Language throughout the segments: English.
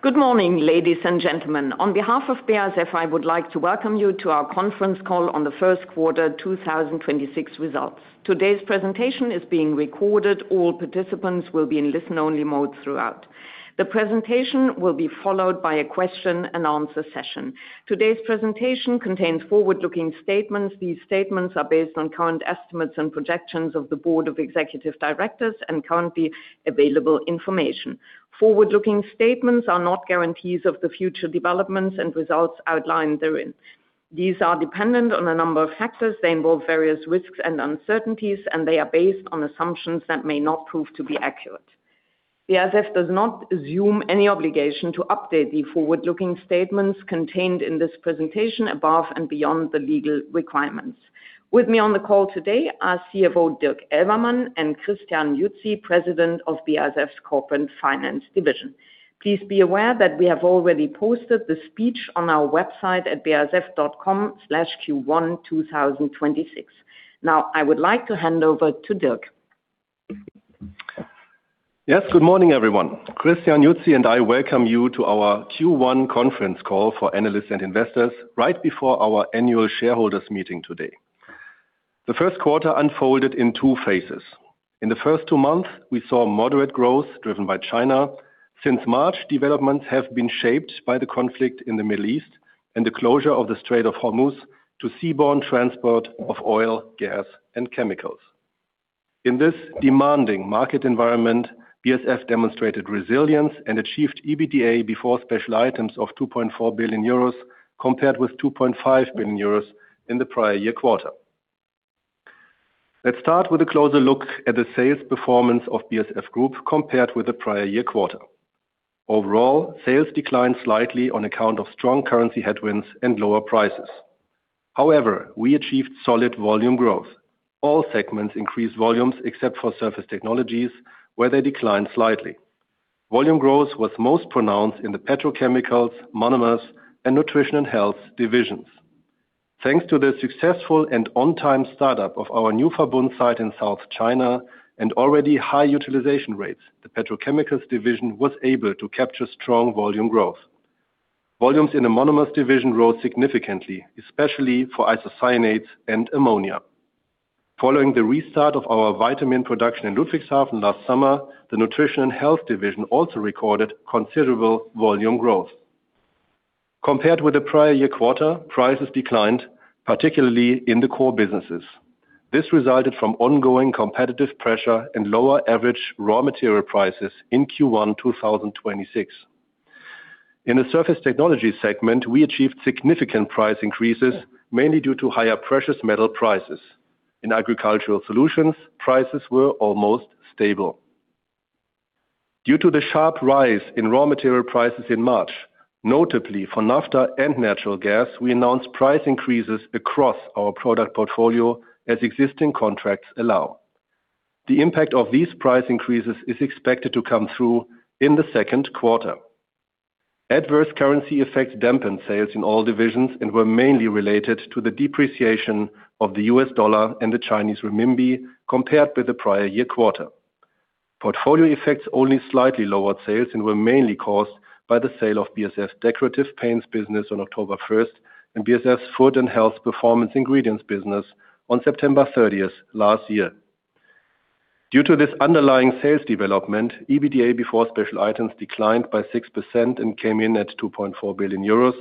Good morning, ladies and gentlemen. On behalf of BASF, I would like to welcome you to our conference call on the first quarter 2026 results. Today's presentation is being recorded. All participants will be in listen-only mode throughout. The presentation will be followed by a question-and-answer session. Today's presentation contains forward-looking statements. These statements are based on current estimates and projections of the board of executive directors and currently available information. Forward-looking statements are not guarantees of the future developments and results outlined therein. These are dependent on a number of factors. They involve various risks and uncertainties, and they are based on assumptions that may not prove to be accurate. BASF does not assume any obligation to update the forward-looking statements contained in this presentation above and beyond the legal requirements. With me on the call today are CFO Dirk Elvermann and Christian Jutzi, President of BASF's Corporate Finance division. Please be aware that we have already posted the speech on our website at basf.com/qone twothousandandtwenty-six. I would like to hand over to Dirk. Yes, good morning, everyone. Christian Jutzi and I welcome you to our Q1 conference call for analysts and investors right before our annual shareholders meeting today. The first quarter unfolded in two phases. In the first two months, we saw moderate growth driven by China. Since March, developments have been shaped by the conflict in the Middle East and the closure of the Strait of Hormuz to seaborne transport of oil, gas, and chemicals. In this demanding market environment, BASF demonstrated resilience and achieved EBITDA before special items of 2.4 billion euros compared with 2.5 billion euros in the prior year quarter. Let's start with a closer look at the sales performance of BASF Group compared with the prior year quarter. Overall, sales declined slightly on account of strong currency headwinds and lower prices. However, we achieved solid volume growth. All segments increased volumes except for Surface Technologies, where they declined slightly. Volume growth was most pronounced in the Petrochemicals, Monomers, and Nutrition & Health divisions. Thanks to the successful and on-time startup of our new Verbund site in South China and already high utilization rates, the Petrochemicals division was able to capture strong volume growth. Volumes in the Monomers division rose significantly, especially for isocyanates and ammonia. Following the restart of our vitamin production in Ludwigshafen last summer, the Nutrition & Health division also recorded considerable volume growth. Compared with the prior year quarter, prices declined, particularly in the core businesses. This resulted from ongoing competitive pressure and lower average raw material prices in Q1 2026. In the Surface Technologies segment, we achieved significant price increases, mainly due to higher precious metal prices. In Agricultural Solutions, prices were almost stable. Due to the sharp rise in raw material prices in March, notably for naphtha and natural gas, we announced price increases across our product portfolio as existing contracts allow. The impact of these price increases is expected to come through in the second quarter. Adverse currency effects dampened sales in all divisions and were mainly related to the depreciation of the U.S. dollar and the Chinese renminbi compared with the prior year quarter. Portfolio effects only slightly lowered sales and were mainly caused by the sale of BASF Decorative Paints business on October 1st and BASF Food and Health Performance Ingredients business on September 30th last year. Due to this underlying sales development, EBITDA before special items declined by six percent and came in at 2.4 billion euros.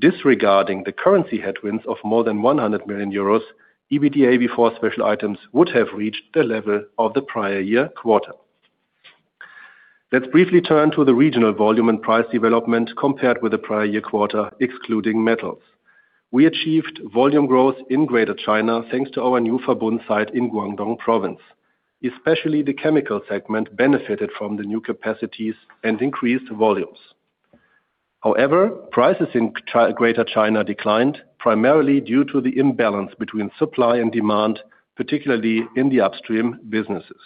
Disregarding the currency headwinds of more than 100 million euros, EBITDA before special items would have reached the level of the prior year quarter. Let's briefly turn to the regional volume and price development compared with the prior year quarter, excluding metals. We achieved volume growth in Greater China, thanks to our new Verbund site in Guangdong Province. Especially the Chemicals segment benefited from the new capacities and increased volumes. However, prices in Greater China declined primarily due to the imbalance between supply and demand, particularly in the upstream businesses.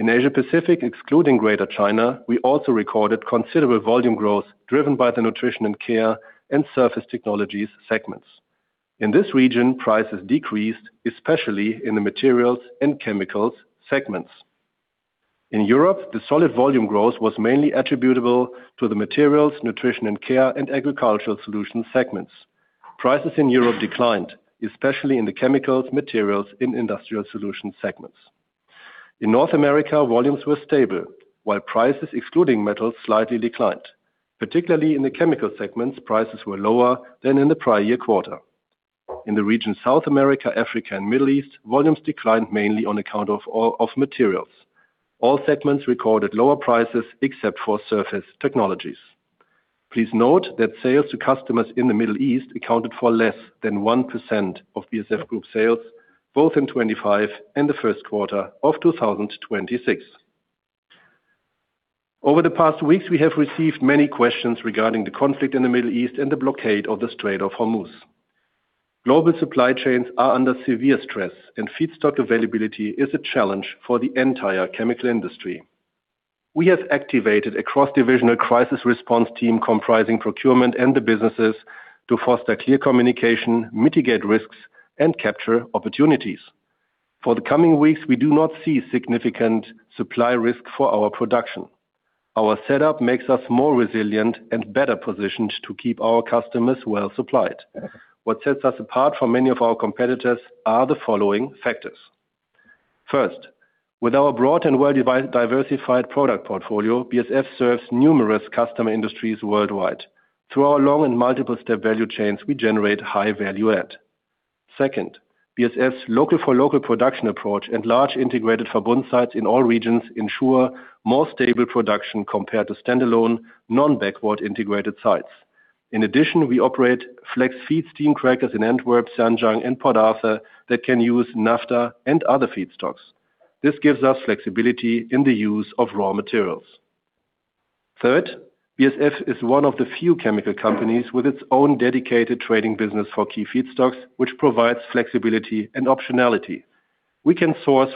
In Asia Pacific, excluding Greater China, we also recorded considerable volume growth driven by the Nutrition & Care and Surface Technologies segments. In this region, prices decreased, especially in the Materials and Chemicals segments. In Europe, the solid volume growth was mainly attributable to the Materials, Nutrition & Care, and Agricultural Solutions segments. Prices in Europe declined, especially in the Chemicals, Materials, and Industrial Solutions segments. In North America, volumes were stable, while prices, excluding metals, slightly declined. Particularly in the chemical segments, prices were lower than in the prior year quarter. In the region South America, Africa, and Middle East, volumes declined mainly on account of Materials. All segments recorded lower prices except for Surface Technologies. Please note that sales to customers in the Middle East accounted for less than one percent of BASF Group sales, both in 2025 and the first quarter of 2026. Over the past weeks, we have received many questions regarding the conflict in the Middle East and the blockade of the Strait of Hormuz. Global supply chains are under severe stress, and feedstock availability is a challenge for the entire chemical industry. We have activated a cross-divisional crisis response team comprising procurement and the businesses to foster clear communication, mitigate risks, and capture opportunities. For the coming weeks, we do not see significant supply risk for our production. Our setup makes us more resilient and better positioned to keep our customers well-supplied. What sets us apart from many of our competitors are the following factors. First, with our broad and well-diversified product portfolio, BASF serves numerous customer industries worldwide. Through our long and multiple step value chains, we generate high value add. Second, BASF's local-for-local production approach and large integrated Verbund sites in all regions ensure more stable production compared to standalone non-backward integrated sites. In addition, we operate flex-feed steam crackers in Antwerp, Zhanjiang, and Port Arthur that can use naphtha and other feedstocks. This gives us flexibility in the use of raw materials. BASF is one of the few chemical companies with its own dedicated trading business for key feedstocks, which provides flexibility and optionality. We can source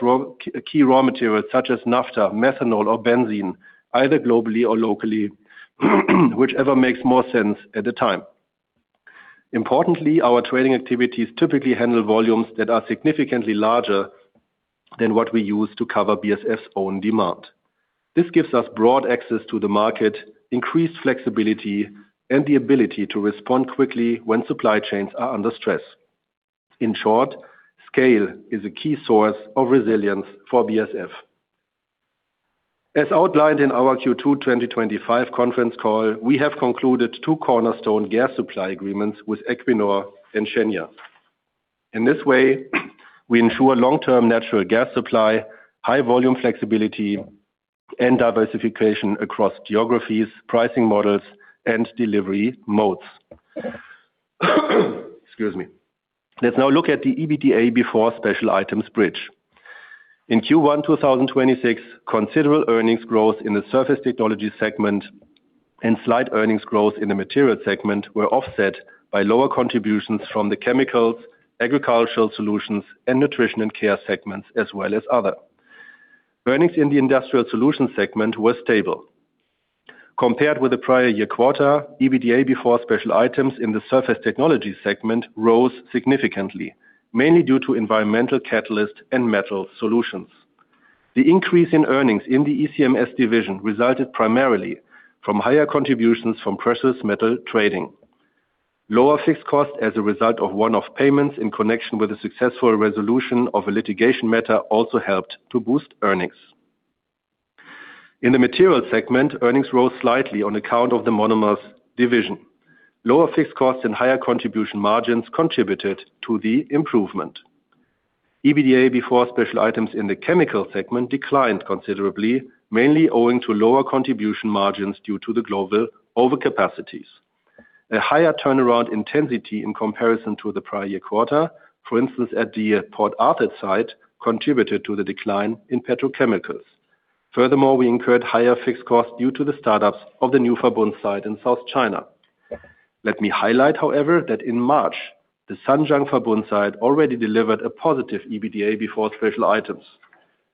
key raw materials such as naphtha, methanol, or benzene, either globally or locally, whichever makes more sense at the time. Importantly, our trading activities typically handle volumes that are significantly larger than what we use to cover BASF's own demand. This gives us broad access to the market, increased flexibility, and the ability to respond quickly when supply chains are under stress. In short, scale is a key source of resilience for BASF. As outlined in our Q2 2025 conference call, we have concluded two cornerstone gas supply agreements with Equinor and Shenhua. In this way, we ensure long-term natural gas supply, high volume flexibility, and diversification across geographies, pricing models, and delivery modes. Excuse me. Let's now look at the EBITDA before special items bridge. In Q1 2026, considerable earnings growth in the Surface Technologies segment and slight earnings growth in the Materials segment were offset by lower contributions from the Chemicals, Agricultural Solutions, and Nutrition & Care segments, as well as other. Earnings in the Industrial Solutions segment were stable. Compared with the prior year quarter, EBITDA before special items in the Surface Technologies segment rose significantly, mainly due to Environmental Catalyst and Metal Solutions. The increase in earnings in the ECMS division resulted primarily from higher contributions from precious metal trading. Lower fixed cost as a result of one-off payments in connection with the successful resolution of a litigation matter also helped to boost earnings. In the Materials segment, earnings rose slightly on account of the Monomers division. Lower fixed costs and higher contribution margins contributed to the improvement. EBITDA before special items in the Chemical segment declined considerably, mainly owing to lower contribution margins due to the global overcapacities. A higher turnaround intensity in comparison to the prior year quarter, for instance, at the Port Arthur site, contributed to the decline in Petrochemicals. We incurred higher fixed costs due to the startups of the new Verbund site in South China. Let me highlight, however, that in March, the Zhanjiang Verbund site already delivered a positive EBITDA before special items.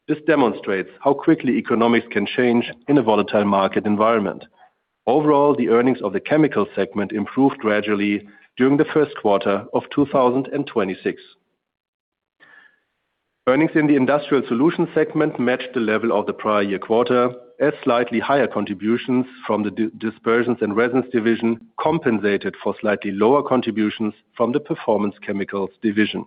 This demonstrates how quickly economics can change in a volatile market environment. The earnings of the Chemical segment improved gradually during the first quarter of 2026. Earnings in the Industrial Solutions segment matched the level of the prior year quarter as slightly higher contributions from the Dispersions & Resins division compensated for slightly lower contributions from the Performance Chemicals division.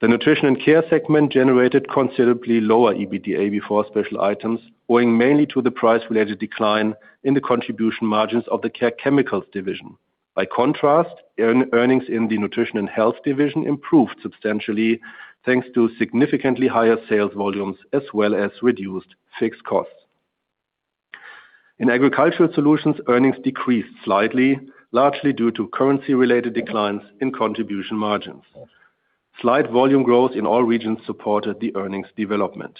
The Nutrition and Care segment generated considerably lower EBITDA before special items, owing mainly to the price-related decline in the contribution margins of the Care Chemicals division. By contrast, earnings in the Nutrition and Health division improved substantially, thanks to significantly higher sales volumes as well as reduced fixed costs. In Agricultural Solutions, earnings decreased slightly, largely due to currency-related declines in contribution margins. Slight volume growth in all regions supported the earnings development.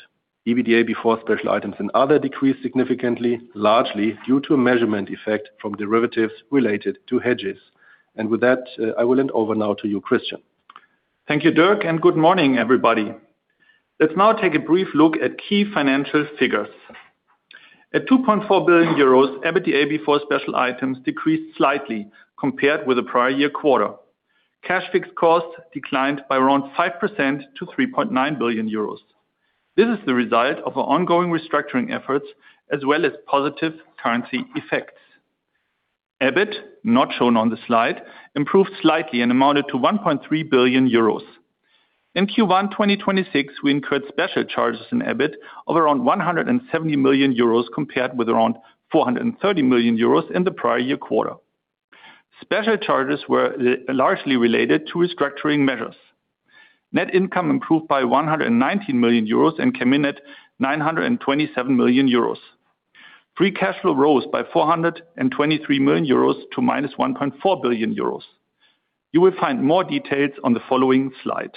EBITDA before special items and other decreased significantly, largely due to a measurement effect from derivatives related to hedges. With that, I will hand over now to you, Christian. Thank you, Dirk, and good morning, everybody. Let's now take a brief look at key financial figures. At 2.4 billion euros, EBITDA before special items decreased slightly compared with the prior year quarter. Cash fixed costs declined by around five percent to 3.9 billion euros. This is the result of our ongoing restructuring efforts as well as positive currency effects. EBIT, not shown on the slide, improved slightly and amounted to 1.3 billion euros. In Q1 2026, we incurred special charges in EBIT of around 170 million euros compared with around 430 million euros in the prior year quarter. Special charges were largely related to restructuring measures. Net income improved by 119 million euros and came in at 927 million euros. Free cash flow rose by 423 million euros to minus 1.4 billion euros. You will find more details on the following slide.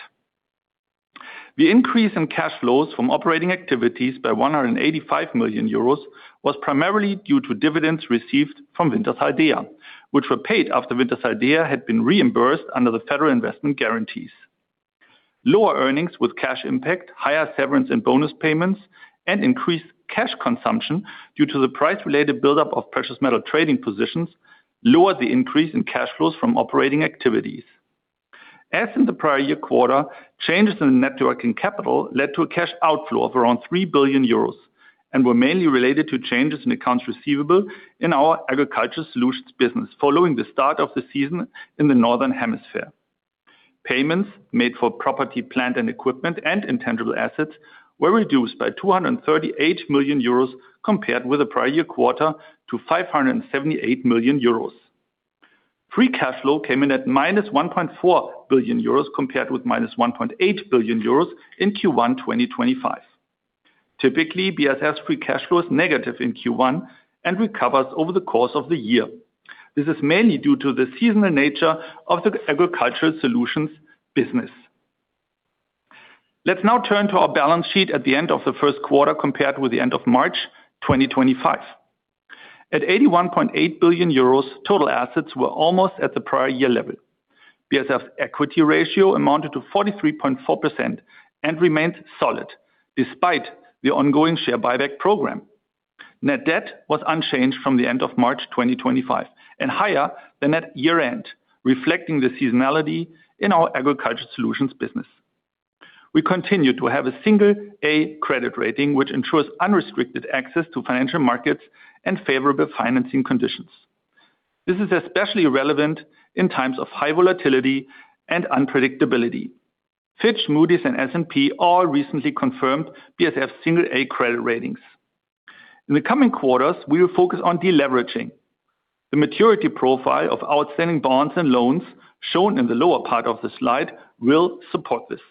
The increase in cash flows from operating activities by 185 million euros was primarily due to dividends received from Wintershall Dea, which were paid after Wintershall Dea had been reimbursed under the federal investment guarantees. Lower earnings with cash impact, higher severance and bonus payments, and increased cash consumption due to the price-related buildup of precious metal trading positions lowered the increase in cash flows from operating activities. As in the prior year quarter, changes in networking capital led to a cash outflow of around 3 billion euros and were mainly related to changes in accounts receivable in our Agricultural Solutions business following the start of the season in the northern hemisphere. Payments made for property, plant and equipment and intangible assets were reduced by 238 million euros compared with the prior year quarter to 578 million euros. Free cash flow came in at minus 1.4 billion euros compared with minus 1.8 billion euros in Q1 2025. Typically, BASF free cash flow is negative in Q1 and recovers over the course of the year. This is mainly due to the seasonal nature of the Agricultural Solutions business. Let's now turn to our balance sheet at the end of the first quarter compared with the end of March 2025. At 81.8 billion euros, total assets were almost at the prior year level. BASF equity ratio amounted to 43.4% and remains solid despite the ongoing share buyback program. Net debt was unchanged from the end of March 2025 and higher than at year-end, reflecting the seasonality in our Agricultural Solutions business. We continue to have a single-A credit rating, which ensures unrestricted access to financial markets and favorable financing conditions. This is especially relevant in times of high volatility and unpredictability. Fitch, Moody's and S&P all recently confirmed BASF single-A credit ratings. In the coming quarters, we will focus on deleveraging. The maturity profile of outstanding bonds and loans shown in the lower part of the slide will support this.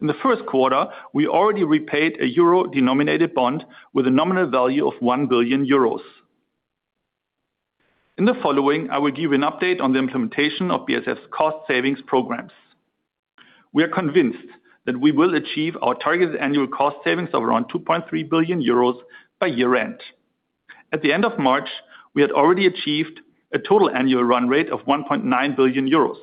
In the first quarter, we already repaid a euro-denominated bond with a nominal value of 1 billion euros. In the following, I will give an update on the implementation of BASF cost savings programs. We are convinced that we will achieve our targeted annual cost savings of around 2.3 billion euros by year-end. At the end of March, we had already achieved a total annual run rate of 1.9 billion euros.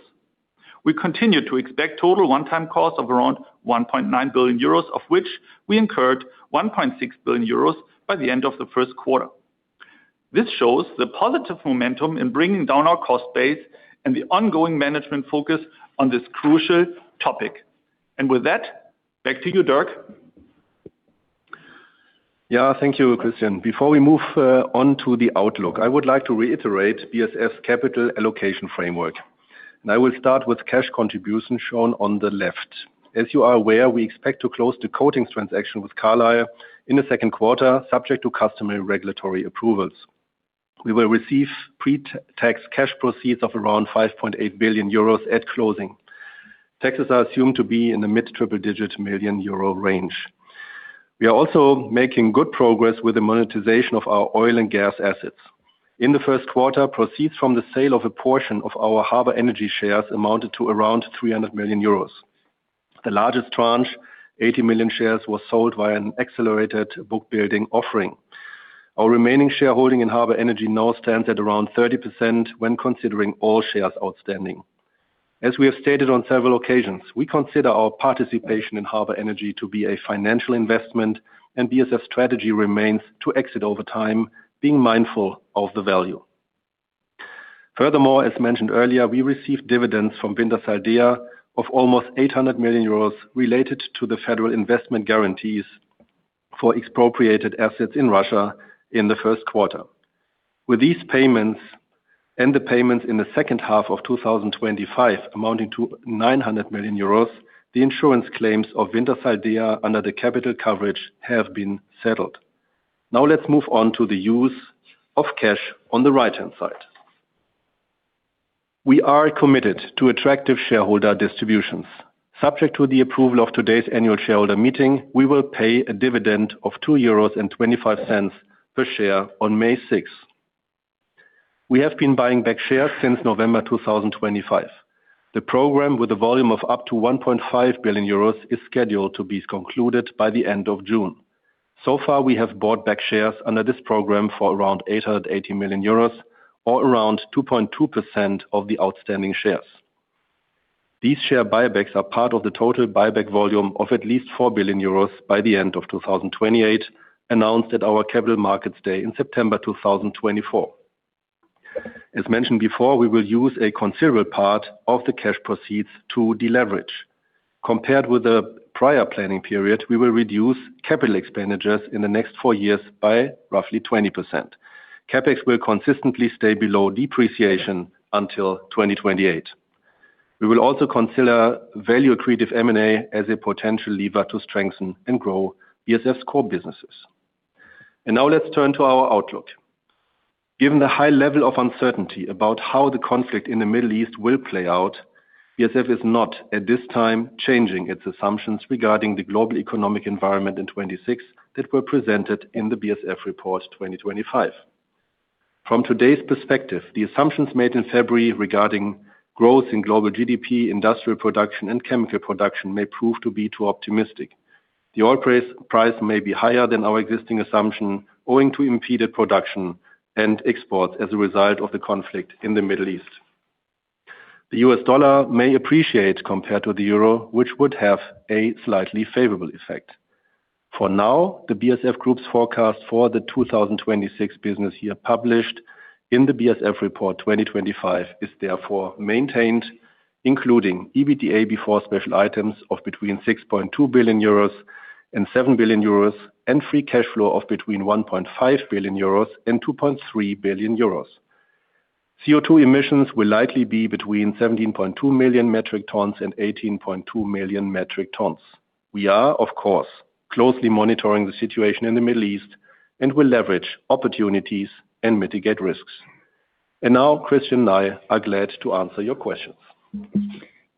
We continue to expect total one-time costs of around 1.9 billion euros, of which we incurred 1.6 billion euros by the end of the first quarter. This shows the positive momentum in bringing down our cost base and the ongoing management focus on this crucial topic. With that, back to you, Dirk. Thank you, Christian. Before we move on to the outlook, I would like to reiterate BASF capital allocation framework. I will start with cash contributions shown on the left. As you are aware, we expect to close the coatings transaction with Carlyle in the 2Q, subject to customary regulatory approvals. We will receive pre-tax cash proceeds of around 5.8 billion euros at closing. Taxes are assumed to be in the mid triple-digit million euro range. We are also making good progress with the monetization of our oil and gas assets. In the 1Q, proceeds from the sale of a portion of our Harbour Energy shares amounted to around 300 million euros. The largest tranche, 80 million shares, was sold via an accelerated book building offering. Our remaining shareholding in Harbour Energy now stands at around 30% when considering all shares outstanding. As we have stated on several occasions, we consider our participation in Harbour Energy to be a financial investment, and BASF strategy remains to exit over time, being mindful of the value. Furthermore, as mentioned earlier, we received dividends from Wintershall Dea of almost 800 million euros related to the federal investment guarantees for expropriated assets in Russia in the first quarter. With these payments and the payments in the second half of 2025 amounting to 900 million euros, the insurance claims of Wintershall Dea under the capital coverage have been settled. Now let's move on to the use of cash on the right-hand side. We are committed to attractive shareholder distributions. Subject to the approval of today's annual shareholder meeting, we will pay a dividend of 2.25 euros per share on May sixth. We have been buying back shares since November 2025. The program, with a volume of up to 1.5 billion euros, is scheduled to be concluded by the end of June. So far, we have bought back shares under this program for around 880 million euros or around two point two percent of the outstanding shares. These share buybacks are part of the total buyback volume of at least 4 billion euros by the end of 2028, announced at our Capital Markets Day in September 2024. As mentioned before, we will use a considerable part of the cash proceeds to deleverage. Compared with the prior planning period, we will reduce capital expenditures in the next four years by roughly 20%. CapEx will consistently stay below depreciation until 2028. We will also consider value-accretive M&A as a potential lever to strengthen and grow BASF core businesses. Now let's turn to our outlook. Given the high level of uncertainty about how the conflict in the Middle East will play out, BASF is not, at this time, changing its assumptions regarding the global economic environment in 2026 that were presented in the BASF report 2025. From today's perspective, the assumptions made in February regarding growth in global GDP, industrial production, and chemical production may prove to be too optimistic. The oil price may be higher than our existing assumption, owing to impeded production and exports as a result of the conflict in the Middle East. The US dollar may appreciate compared to the euro, which would have a slightly favorable effect. For now, the BASF Group's forecast for the 2026 business year published in the BASF report 2025 is therefore maintained, including EBITDA before special items of between 6.2 billion euros and 7 billion euros, and free cash flow of between 1.5 billion euros and 2.3 billion euros. CO2 emissions will likely be between 17.2 million metric tons and 18.2 million metric tons. We are, of course, closely monitoring the situation in the Middle East and will leverage opportunities and mitigate risks. Now, Christian and I are glad to answer your questions.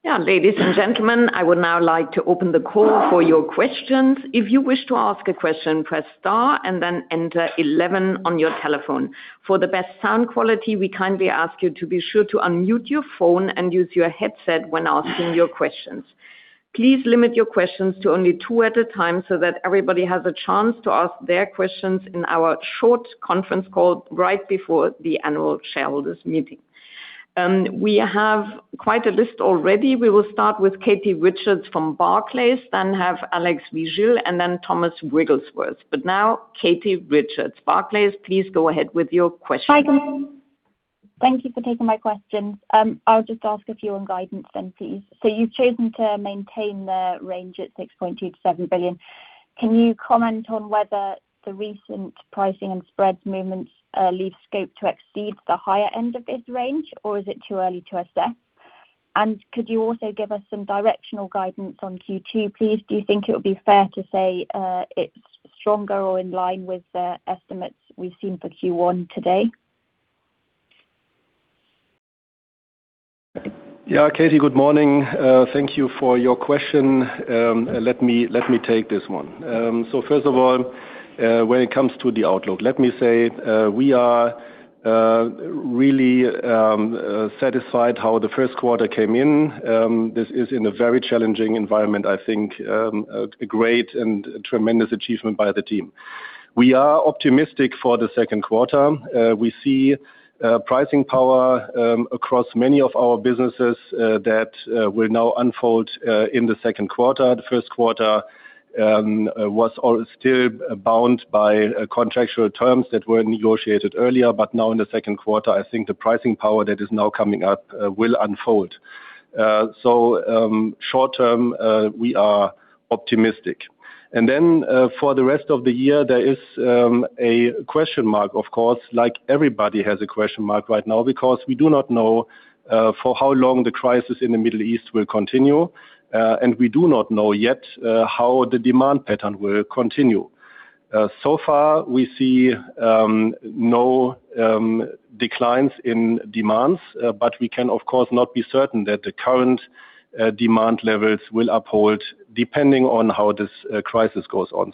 Ladies and gentlemen, I would now like to open the call for your questions. If you wish to ask a question, press star and then enter 11 on your telephone. For the best sound quality, we kindly ask you to be sure to unmute your phone and use your headset when asking your questions. Please limit your questions to only two at a time so that everybody has a chance to ask their questions in our short conference call right before the annual shareholders meeting. We have quite a list already. We will start with Katie Richards from Barclays, then have Alejandro Vigil, and then Thomas Wrigglesworth. Now, Katie Richards. Barclays, please go ahead with your question. Hi guys. Thank you for taking my questions. I'll just ask a few on guidance then, please. You've chosen to maintain the range at 6.2 billion to 7 billion. Can you comment on whether the recent pricing and spreads movements leave scope to exceed the higher end of this range, or is it too early to assess? Could you also give us some directional guidance on Q2, please? Do you think it would be fair to say it's stronger or in line with the estimates we've seen for Q1 today? Katie, good morning. Thank you for your question. Let me take this one. First of all, when it comes to the outlook, let me say, we are really satisfied how the first quarter came in. This is in a very challenging environment, I think, a great and tremendous achievement by the team. We are optimistic for the second quarter. We see pricing power across many of our businesses that will now unfold in the second quarter. The first quarter was all still bound by contractual terms that were negotiated earlier. Now in the second quarter, I think the pricing power that is now coming up will unfold. Short-term, we are optimistic. For the rest of the year, there is a question mark, of course, like everybody has a question mark right now because we do not know for how long the crisis in the Middle East will continue, and we do not know yet how the demand pattern will continue. So far, we see no declines in demands, but we can of course not be certain that the current demand levels will uphold depending on how this crisis goes on.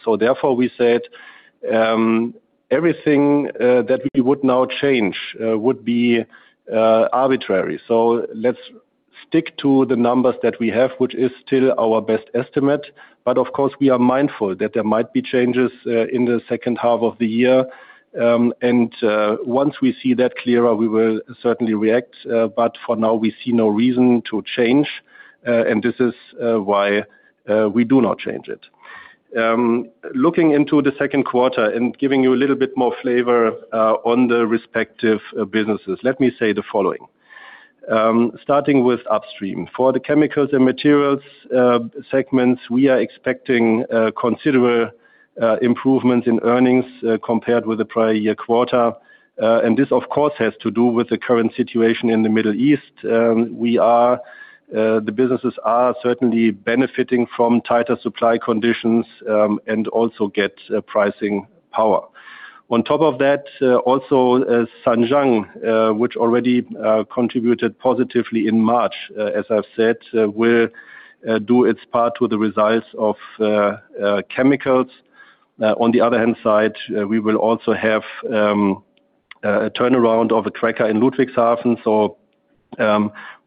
We said everything that we would now change would be arbitrary. Let's stick to the numbers that we have, which is still our best estimate. Of course, we are mindful that there might be changes in the second half of the year. Once we see that clearer, we will certainly react. For now, we see no reason to change, and this is why we do not change it. Looking into the second quarter and giving you a little bit more flavor on the respective businesses, let me say the following. Starting with upstream. For the chemicals and materials segments, we are expecting considerable improvements in earnings compared with the prior year quarter. This of course, has to do with the current situation in the Middle East. The businesses are certainly benefiting from tighter supply conditions, and also get pricing power. On top of that, also, Zhanjiang, which already contributed positively in March, as I've said, will do its part to the results of Petrochemicals. On the other hand side, we will also have a turnaround of a cracker in Ludwigshafen.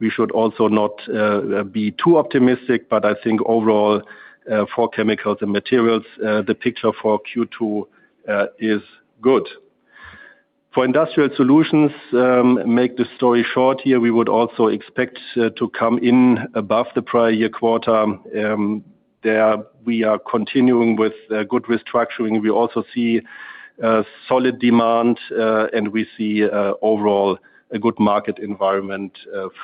We should also not be too optimistic, but I think overall, for Petrochemicals and Materials, the picture for Q2 is good. For Industrial Solutions, make the story short here, we would also expect to come in above the prior year quarter. There we are continuing with good restructuring. We also see solid demand, and we see overall a good market environment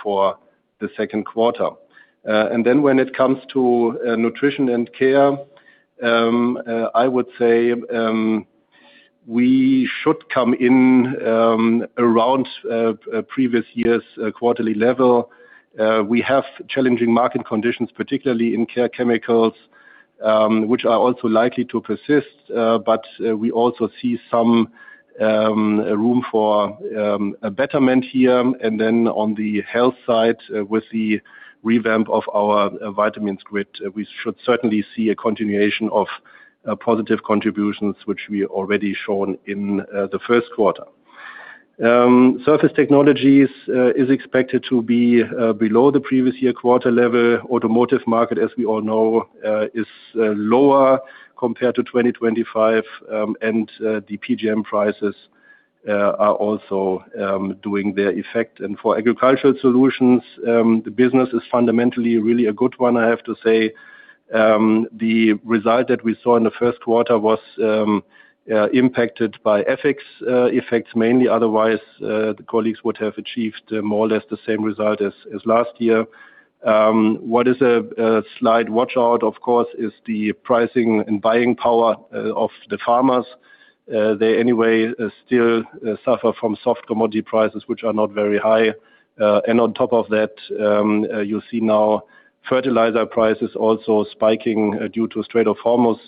for the second quarter. When it comes to Nutrition & Care, I would say we should come in around previous year's quarterly level. We have challenging market conditions, particularly in Care Chemicals, which are also likely to persist, but we also see some room for a betterment here. On the health side, with the revamp of our vitamins grid, we should certainly see a continuation of positive contributions, which we already shown in the first quarter. Surface Technologies is expected to be below the previous year quarter level. Automotive market, as we all know, is lower compared to 2025, and the PGM prices are also doing their effect. For Agricultural Solutions, the business is fundamentally really a good one, I have to say. The result that we saw in the first quarter was impacted by FX effects mainly. Otherwise, the colleagues would have achieved more or less the same result as last year. What is a slight watch out, of course, is the pricing and buying power of the farmers. They anyway still suffer from soft commodity prices, which are not very high. On top of that, you see now fertilizer prices also spiking due to Strait of Hormuz,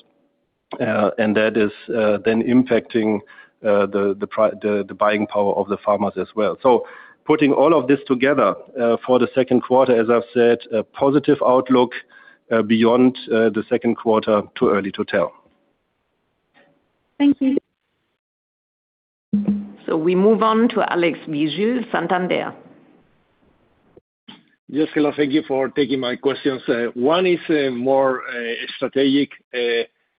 and that is then impacting the buying power of the farmers as well. Putting all of this together, for the second quarter, as I've said, a positive outlook, beyond the second quarter, too early to tell. Thank you. We move on to Alejandro Vigil, Santander. Yes, hello. Thank you for taking my questions. One is more strategic.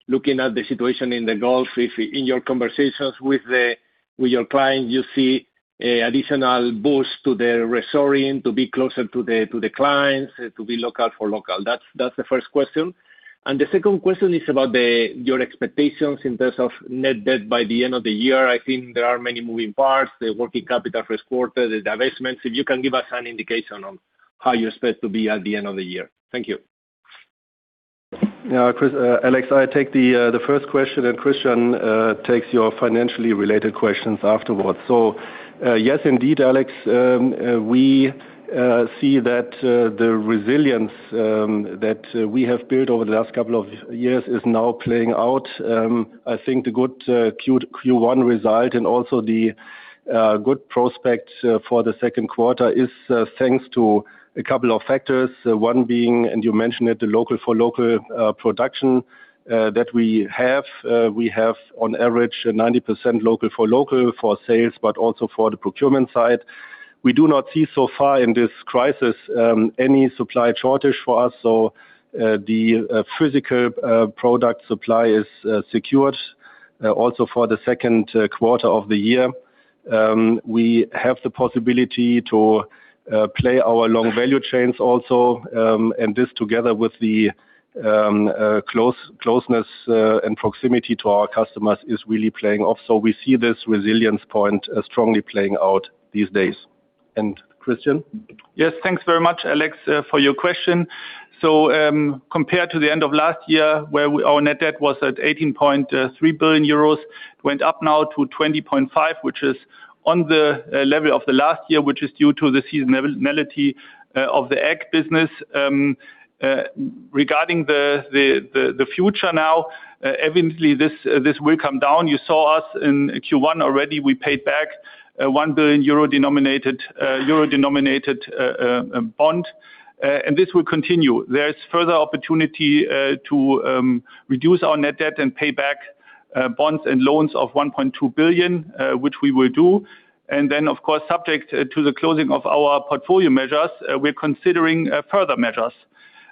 Looking at the situation in the Gulf, if in your conversations with your client, you see a additional boost to the restoring to be closer to the clients, to be local for local. That's the first question. The second question is about your expectations in terms of net debt by the end of the year. I think there are many moving parts, the working capital first quarter, the divestments. If you can give us an indication on how you expect to be at the end of the year? Thank you. Yeah. Chris, Alex, I take the first question, and Christian takes your financially related questions afterwards. Yes, indeed, Alex, we see that the resilience that we have built over the last couple of years is now playing out. I think the good Q1 result and also the good prospect for the second quarter is thanks to a couple of factors. One being, and you mentioned it, the local-for-local production that we have. We have on average 90% local for local for sales, but also for the procurement side. We do not see so far in this crisis any supply shortage for us. The physical product supply is secured also for the second quarter of the year. We have the possibility to play our long value chains also. This together with the closeness and proximity to our customers is really playing off. We see this resilience point strongly playing out these days. Christian. Yes, thanks very much, Alejandro Vigil, for your question. Compared to the end of last year where our net debt was at 18.3 billion euros, it went up now to 20.5, which is on the level of the last year, which is due to the seasonality of the Agricultural Solutions. Regarding the future now, evidently this will come down. You saw us in Q1 already, we paid back a 1 billion euro-denominated bond. This will continue. There is further opportunity to reduce our net debt and pay back bonds and loans of 1.2 billion, which we will do. Of course, subject to the closing of our portfolio measures, we're considering further measures.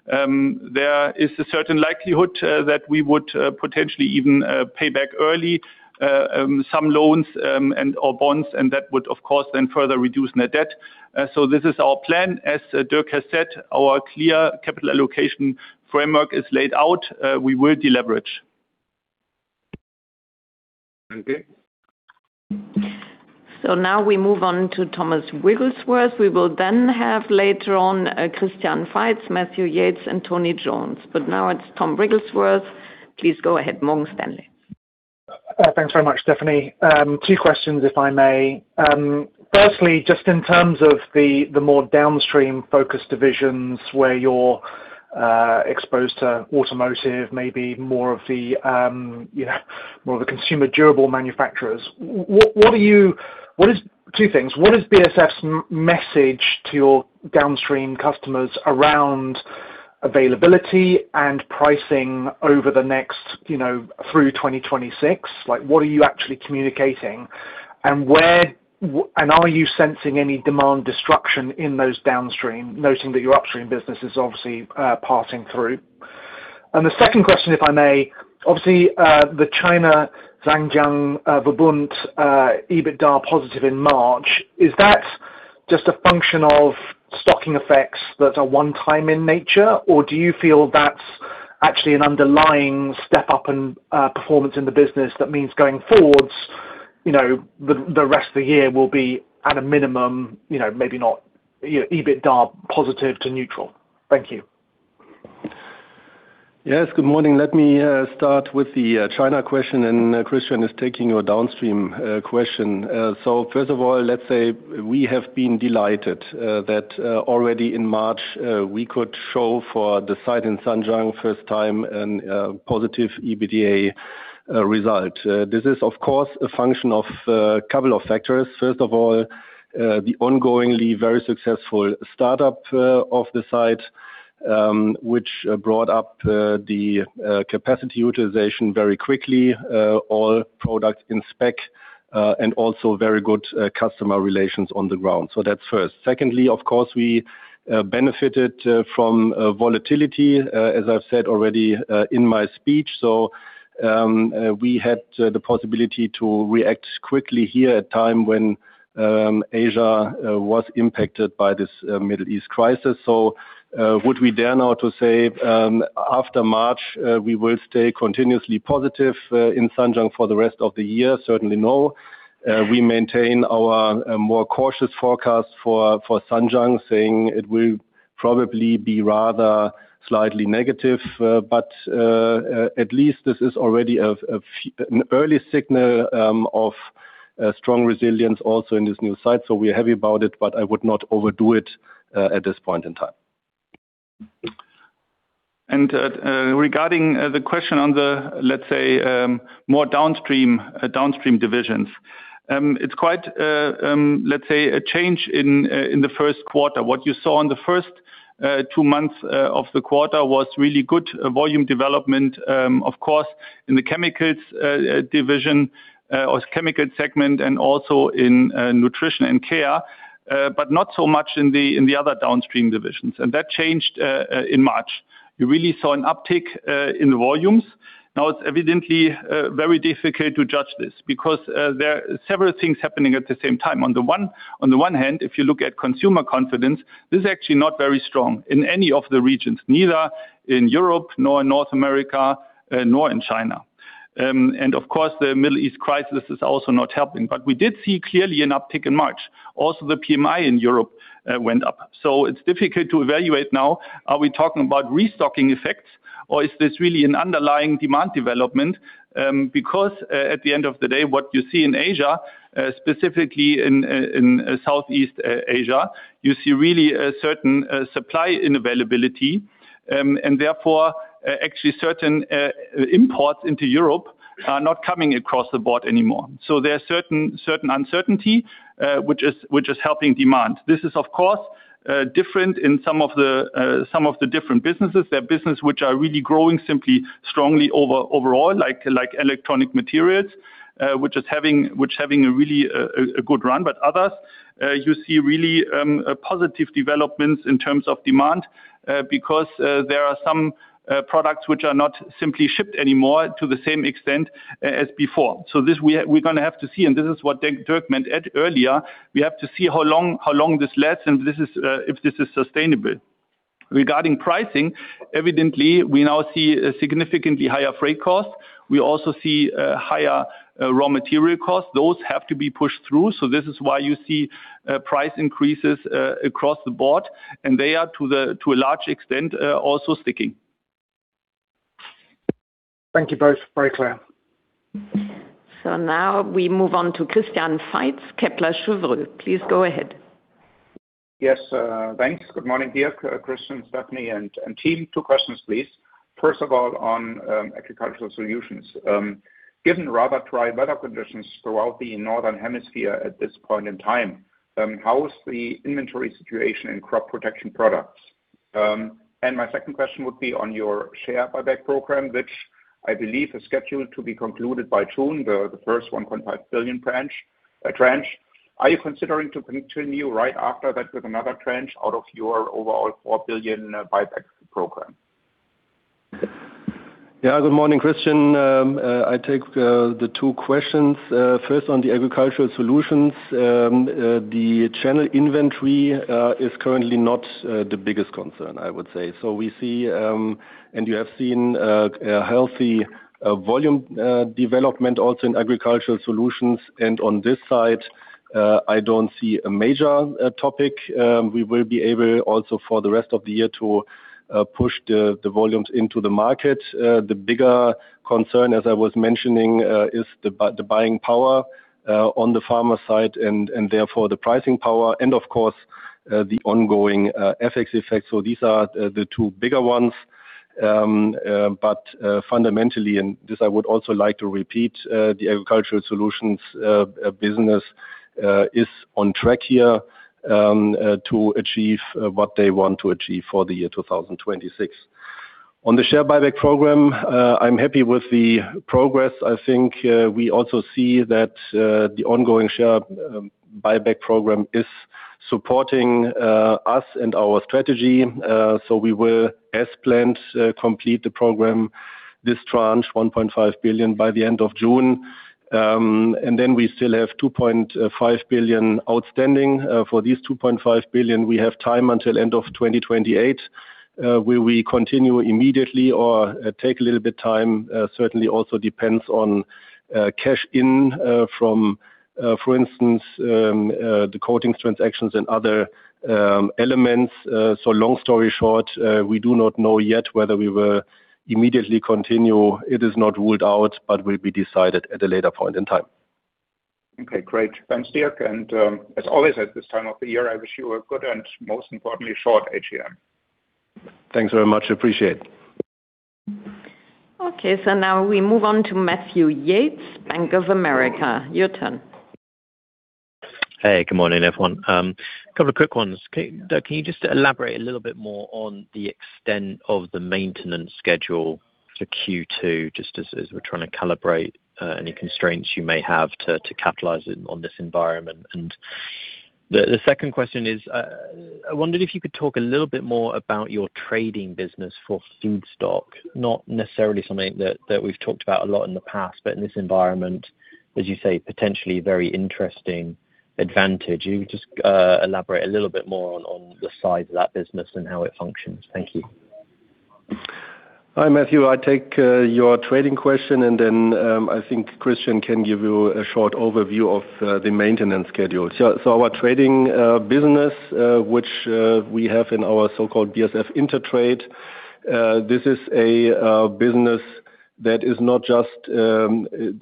There is a certain likelihood that we would potentially even pay back early some loans and/or bonds, and that would of course then further reduce net debt. This is our plan. As Dirk has said, our clear capital allocation framework is laid out. We will deleverage. Okay. Now we move on to Thomas Wrigglesworth. We will then have later on, Christian Faitz, Matthew Yates, and Tony Jones. Now it's Tom Wrigglesworth. Please go ahead. Morgan Stanley. Thanks very much, Stefanie. Two questions, if I may. Firstly, just in terms of the more downstream-focused divisions where you're exposed to automotive, maybe more of the, you know, more of the consumer durable manufacturers. Two things. What is BASF's message to your downstream customers around availability and pricing over the next, you know, through 2026? Like, what are you actually communicating? Are you sensing any demand destruction in those downstream, noting that your upstream business is obviously passing through? The second question, if I may. Obviously, the China Zhanjiang, Verbund, EBITDA positive in March, is that just a function of stocking effects that are one-time in nature? Do you feel that's actually an underlying step up in performance in the business that means going forwards, you know, the rest of the year will be at a minimum, you know, maybe not, you know, EBITDA positive to neutral? Thank you. Yes, good morning. Let me start with the China question, and Christian is taking your downstream question. First of all, let's say we have been delighted that already in March we could show for the site in Zhanjiang first time an positive EBITDA result. This is, of course, a function of a couple of factors. First of all, the ongoingly very successful startup of the site, which brought up the capacity utilization very quickly, all products in spec, and also very good customer relations on the ground. That's first. Secondly, of course, we benefited from volatility, as I've said already in my speech. We had the possibility to react quickly here at time when Asia was impacted by this Middle East crisis. Would we dare now to say, after March, we will stay continuously positive in Zhanjiang for the rest of the year? Certainly, no. We maintain our more cautious forecast for Zhanjiang, saying it will probably be rather slightly negative, but at least this is already an early signal of strong resilience also in this new site. We're happy about it, but I would not overdo it at this point in time. Regarding the question on the, let's say, more downstream divisions. It's quite a, let's say, a change in the first quarter. What you saw on the first two months of the quarter was really good volume development, of course, in the chemicals division or chemical segment and also in Nutrition & Care, but not so much in the other downstream divisions. That changed in March. You really saw an uptick in volumes. Now, it's evidently very difficult to judge this because there are several things happening at the same time. On the one hand, if you look at consumer confidence, this is actually not very strong in any of the regions, neither in Europe, nor in North America, nor in China. Of course, the Middle East crisis is also not helping. We did see clearly an uptick in March. Also, the PMI in Europe went up. It's difficult to evaluate now, are we talking about restocking effects, or is this really an underlying demand development? Because at the end of the day, what you see in Asia, specifically in Southeast Asia, you see really a certain supply unavailability, and therefore, actually certain imports into Europe are not coming across the board anymore. There is certain uncertainty which is helping demand. This is, of course, different in some of the different businesses. There are businesses which are really growing simply strongly overall, like Electronic Materials, which is having a really good run. Others, you see really positive developments in terms of demand, because there are some products which are not simply shipped anymore to the same extent as before. This we're gonna have to see, and this is what Dirk meant at earlier. We have to see how long this lasts, and this is if this is sustainable. Regarding pricing, evidently, we now see a significantly higher freight cost. We also see higher raw material costs. Those have to be pushed through. This is why you see price increases across the board, and they are to a large extent, also sticking. Thank you both. Very clear. Now we move on to Christian Faitz, Kepler Cheuvreux. Please go ahead. Yes, thanks. Good morning, Dirk, Christian, Stefanie, and team. Two questions, please. First of all, on Agricultural Solutions. Given rather dry weather conditions throughout the Northern Hemisphere at this point in time, how is the inventory situation in crop protection products? My second question would be on your share buyback program, which I believe is scheduled to be concluded by June, the first 1.5 billion trench. Are you considering to continue right after that with another trench out of your overall 4 billion buyback program? Good morning, Christian. I take the two questions. First on the Agricultural Solutions. The channel inventory is currently not the biggest concern, I would say. We see, and you have seen, a healthy volume development also in Agricultural Solutions. On this side, I don't see a major topic. We will be able also for the rest of the year to push the volumes into the market. The bigger concern, as I was mentioning, is the buying power on the farmer side and therefore the pricing power and of course, the ongoing FX effect. These are the two bigger ones. Fundamentally, and this I would also like to repeat, the Agricultural Solutions business is on track here to achieve what they want to achieve for the year 2026. On the share buyback program, I'm happy with the progress. I think we also see that the ongoing share buyback program is supporting us and our strategy. We will, as planned, complete the program, this tranche, 1.5 billion, by the end of June. We still have 2.5 billion outstanding. For these 2.5 billion, we have time until end of 2028. Will we continue immediately or take a little bit time, certainly also depends on cash in from for instance the coatings transactions and other elements. Long story short, we do not know yet whether we will immediately continue. It is not ruled out, but will be decided at a later point in time. Okay, great. Thanks, Dirk, and, as always at this time of the year, I wish you a good and most importantly, short AGM. Thanks very much. I appreciate. Okay, now we move on to Matthew Yates, Bank of America. Your turn. Hey, good morning, everyone. A couple of quick ones. Can you just elaborate a little bit more on the extent of the maintenance schedule for Q2, just as we're trying to calibrate any constraints you may have to capitalize on this environment? The second question is, I wondered if you could talk a little bit more about your trading business for feedstock, not necessarily something that we've talked about a lot in the past, but in this environment, as you say, potentially very interesting advantage. You just elaborate a little bit more on the size of that business and how it functions. Thank you. Hi, Matthew. I take your trading question, and then I think Christian can give you a short overview of the maintenance schedule. Our trading business, which we have in our so-called BASF Intertrade, this is a business that is not just,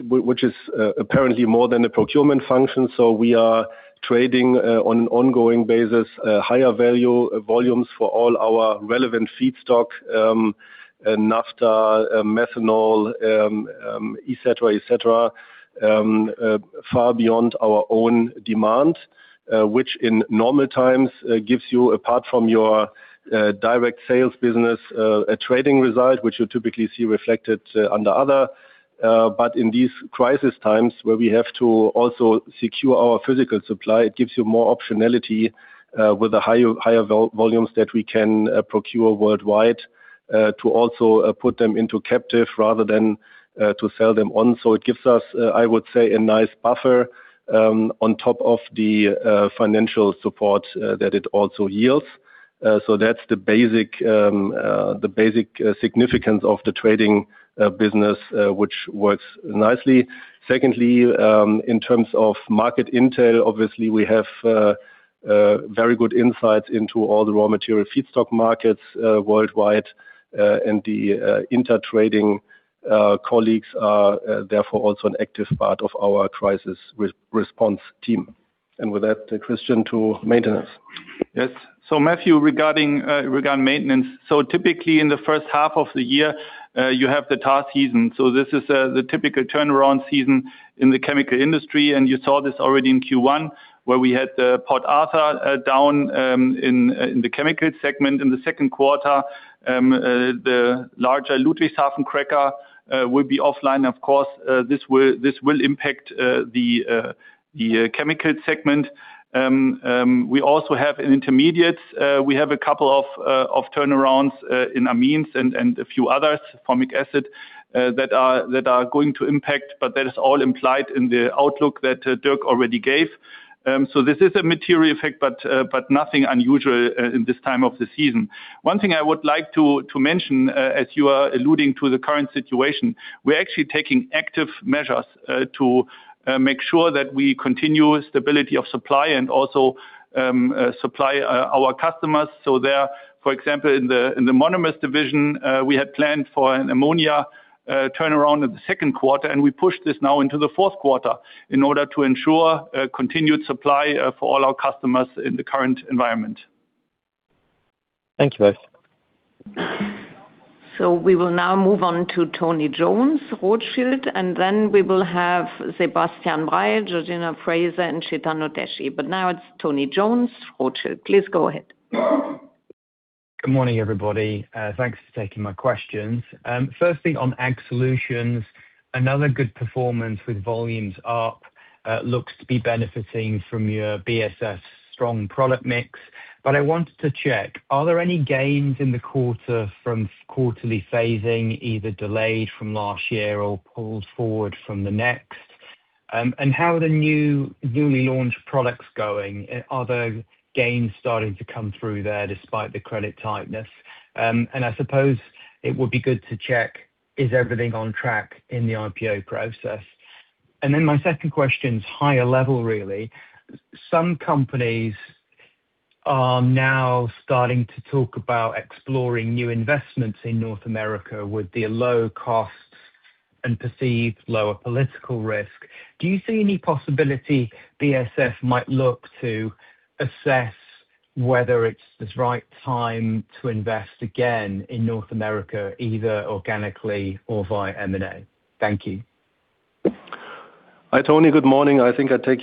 which is apparently more than a procurement function. We are trading on an ongoing basis, volumes for all our relevant feedstock, naphtha, methanol, et cetera, et cetera, far beyond our own demand, which in normal times gives you apart from your direct sales business, a trading result, which you typically see reflected under other. In these crisis times where we have to also secure our physical supply, it gives you more optionality with the higher volumes that we can procure worldwide to also put them into captive rather than to sell them on. It gives us, I would say, a nice buffer on top of the financial support that it also yields. That's the basic, the basic significance of the trading business, which works nicely. Secondly, in terms of market intel, obviously, we have very good insights into all the raw material feedstock markets worldwide, and the intertrading colleagues are therefore also an active part of our crisis response team. With that, Christian to maintenance. Yes. Matthew, regarding regarding maintenance. Typically in the first half of the year, you have the TAR season. This is the typical turnaround season in the chemical industry, and you saw this already in Q1, where we had Port Arthur down in the chemical segment in the second quarter. The larger Ludwigshafen cracker will be offline. Of course, this will impact the chemical segment. We also have an intermediate. We have a couple of turnarounds in amines and a few others, formic acid, that are going to impact, but that is all implied in the outlook that Dirk already gave. This is a material effect, but nothing unusual in this time of the season. One thing I would like to mention, as you are alluding to the current situation, we're actually taking active measures to make sure that we continue stability of supply and also supply our customers. There, for example, in the Monomers division, we had planned for an ammonia turnaround in the second quarter, and we pushed this now into the fourth quarter in order to ensure a continued supply for all our customers in the current environment. Thank you both. We will now move on to Tony Jones, Rothschild, and then we will have Sebastian Bray, Georgina Fraser, and Chetan Udeshi. Now it's Tony Jones, Rothschild. Please go ahead. Good morning, everybody. Thanks for taking my questions. Firstly, on AG Solutions, another good performance with volumes up, looks to be benefiting from your BASF strong product mix. I wanted to check, are there any gains in the quarter from quarterly phasing, either delayed from last year or pulled forward from the next? How are the newly launched products going? Are there gains starting to come through there despite the credit tightness? I suppose it would be good to check, is everything on track in the IPO process? My second question is higher level, really. Some companies are now starting to talk about exploring new investments in North America with the low costs and perceived lower political risk. Do you see any possibility BASF might look to assess whether it's this right time to invest again in North America, either organically or via M&A? Thank you. Hi, Tony. Good morning. I think I take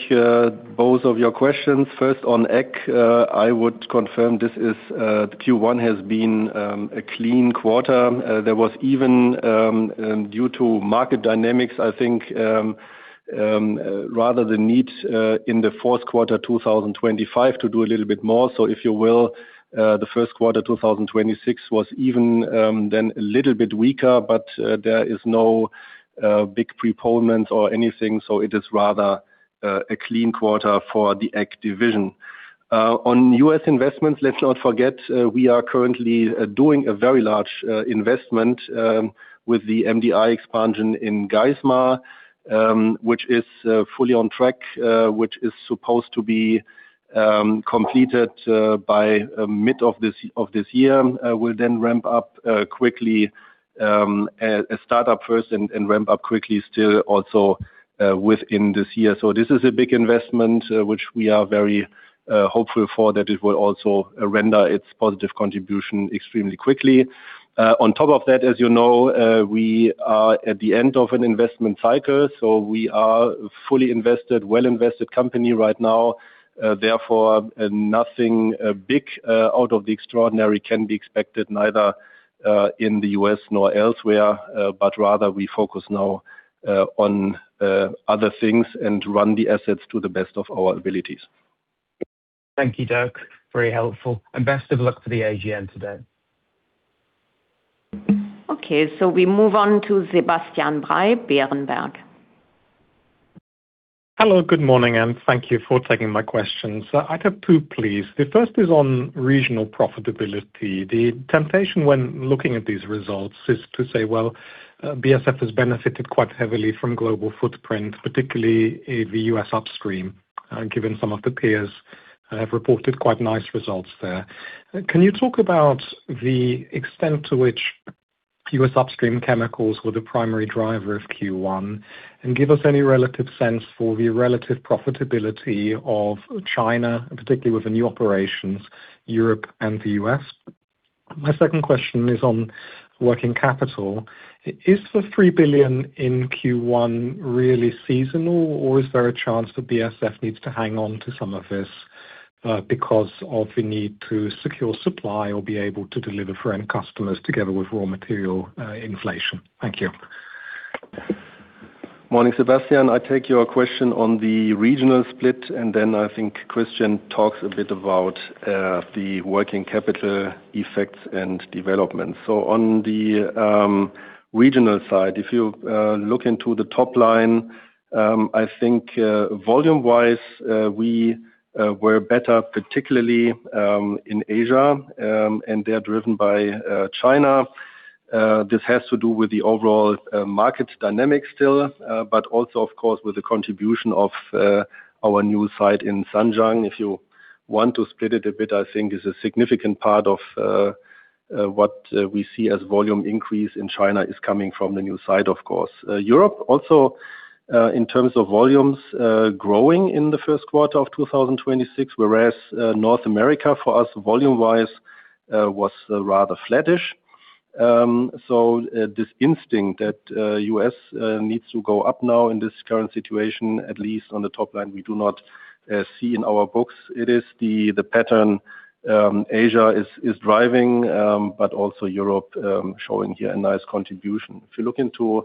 both of your questions. First on AG, I would confirm this is the Q1 has been a clean quarter. There was even due to market dynamics, I think, rather the need in the fourth quarter 2025 to do a little bit more. If you will, the first quarter 2026 was even then a little bit weaker, but there is no big pre-pullment or anything. It is rather a clean quarter for the Ag division. On U.S. investments, let's not forget, we are currently doing a very large investment with the MDI expansion in Geismar, which is fully on track, which is supposed to be completed by mid of this year. We'll then ramp up quickly, a startup first and ramp up quickly still also within this year. This is a big investment, which we are very hopeful for, that it will also render its positive contribution extremely quickly. On top of that, as you know, we are at the end of an investment cycle, we are fully invested, well invested company right now. Therefore, nothing big out of the extraordinary can be expected neither in the U.S. nor elsewhere, but rather we focus now on other things and run the assets to the best of our abilities. Thank you, Dirk. Very helpful. Best of luck for the AGM today. Okay, we move on to Sebastian Bray, Berenberg. Hello, good morning, and thank you for taking my questions. I'd have two, please. The first is on regional profitability. The temptation when looking at these results is to say, well, BASF has benefited quite heavily from global footprint, particularly in the U.S. upstream, given some of the peers have reported quite nice results there. Can you talk about the extent to which U.S. upstream chemicals were the primary driver of Q1, and give us any relative sense for the relative profitability of China, and particularly with the new operations, Europe and the U.S.? My second question is on working capital. Is the 3 billion in Q1 really seasonal, or is there a chance that BASF needs to hang on to some of this because of the need to secure supply or be able to deliver for end customers together with raw material inflation? Thank you. Morning, Sebastian. I take your question on the regional split, and then I think Christian talks a bit about the working capital effects and development. On the regional side, if you look into the top line, I think volume-wise, we were better particularly in Asia, and they are driven by China. This has to do with the overall market dynamic still, but also of course, with the contribution of our new site in Zhanjiang. If you want to split it a bit, I think is a significant part of what we see as volume increase in China is coming from the new site, of course. Europe also, in terms of volumes, growing in the first quarter of 2026, whereas North America for us volume-wise, was rather flattish. This instinct that the U.S. needs to go up now in this current situation, at least on the top line, we do not see in our books. It is the pattern Asia is driving, but also Europe showing here a nice contribution. If you look into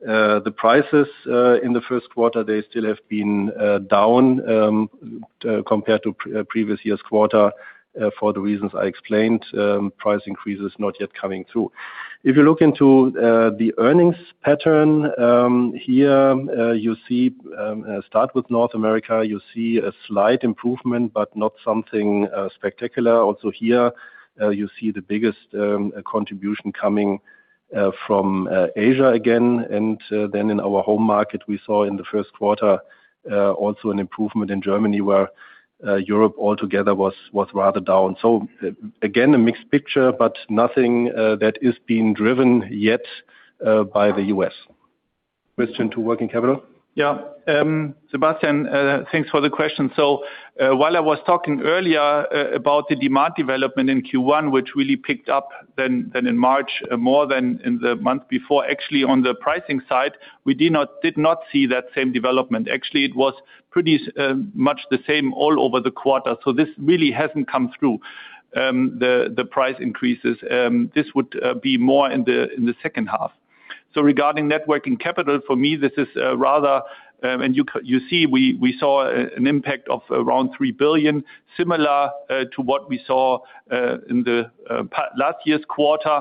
the prices in the first quarter, they still have been down compared to previous year's quarter, for the reasons I explained, price increases not yet coming through. If you look into the earnings pattern, here you see start with North America, you see a slight improvement, but not something spectacular. Here, you see the biggest contribution coming from Asia again. In our home market, we saw in the first quarter an improvement in Germany, where Europe altogether was rather down. Again, a mixed picture, but nothing that is being driven yet by the U.S. Christian, to working capital. Yeah. Sebastian, thanks for the question. While I was talking earlier about the demand development in Q1, which really picked up than in March, more than in the month before, actually on the pricing side, we did not see that same development. Actually, it was pretty much the same all over the quarter. This really hasn't come through the price increases. This would be more in the second half. Regarding net working capital, for me, this is rather, and you see, we saw an impact of around 3 billion, similar to what we saw in the last year's quarter,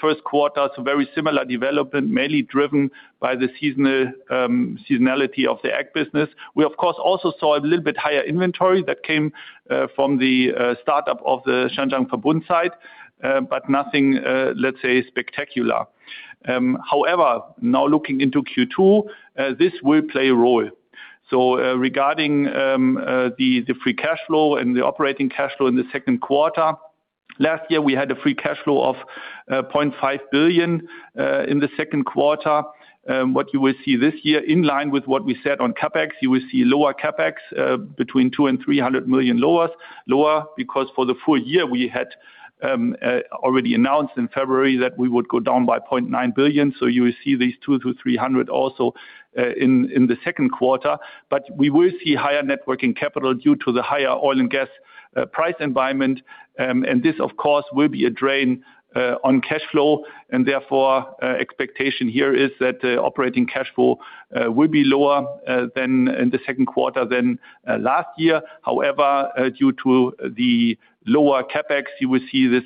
first quarter. Very similar development, mainly driven by the seasonal seasonality of the ag business. We, of course, also saw a little bit higher inventory that came from the startup of the Zhanjiang Verbund site, but nothing, let's say spectacular. Now looking into Q2, this will play a role. Regarding the free cash flow and the operating cash flow in the second quarter, last year we had a free cash flow of 0.5 billion in the second quarter. What you will see this year, in line with what we said on CapEx, you will see lower CapEx, between 200 million and 300 million lowers. Lower because for the full year, we had already announced in February that we would go down by 0.9 billion. You will see these 200 to 300 also in the second quarter. We will see higher net working capital due to the higher oil and gas price environment. This, of course, will be a drain on cash flow and therefore, expectation here is that operating cash flow will be lower than in the second quarter than last year. However, due to the lower CapEx, you will see this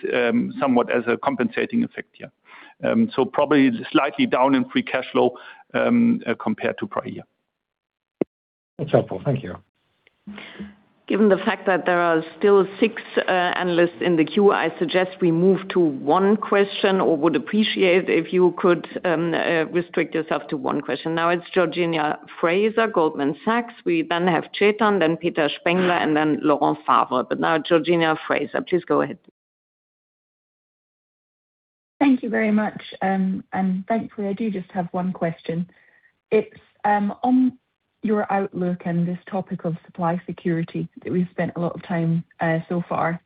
somewhat as a compensating effect, yeah. Probably slightly down in free cash flow, compared to prior year. That's helpful. Thank you. Given the fact that there are still six analysts in the queue, I suggest we move to one question or would appreciate if you could restrict yourself to one question. It's Georgina Fraser, Goldman Sachs. We then have Chetan, then Peter Spengler, and then Laurent Favre. Georgina Fraser, please go ahead. Thank you very much. Thankfully, I do just have one question. It's on your outlook and this topic of supply security that we've spent a lot of time so far.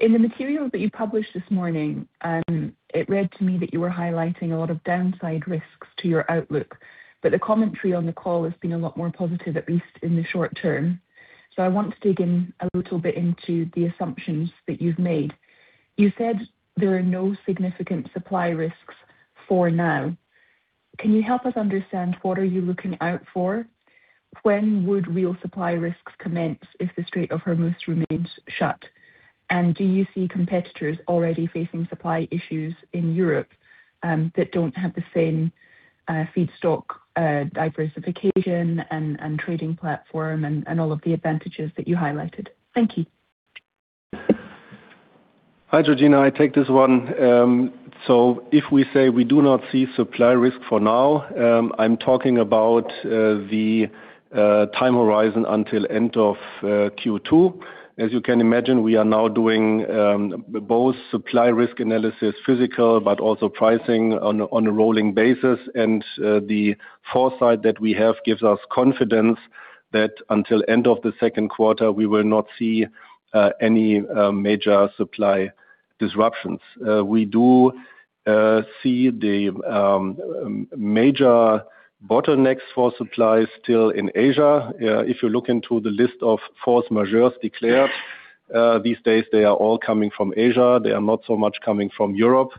In the material that you published this morning, it read to me that you were highlighting a lot of downside risks to your outlook, but the commentary on the call has been a lot more positive, at least in the short term. I want to dig in a little bit into the assumptions that you've made. You said there are no significant supply risks. For now, can you help us understand what are you looking out for? When would real supply risks commence if the Strait of Hormuz remains shut? Do you see competitors already facing supply issues in Europe that don't have the same feedstock diversification and trading platform and all of the advantages that you highlighted? Thank you. Hi, Georgina, I take this one. If we say we do not see supply risk for now, I'm talking about the time horizon until end of Q2. As you can imagine, we are now doing both supply risk analysis, physical, but also pricing on a rolling basis. The foresight that we have gives us confidence that until end of the second quarter, we will not see any major supply disruptions. We do see the major bottlenecks for supply still in Asia. If you look into the list of force majeures declared, these days they are all coming from Asia. They are not so much coming from Europe.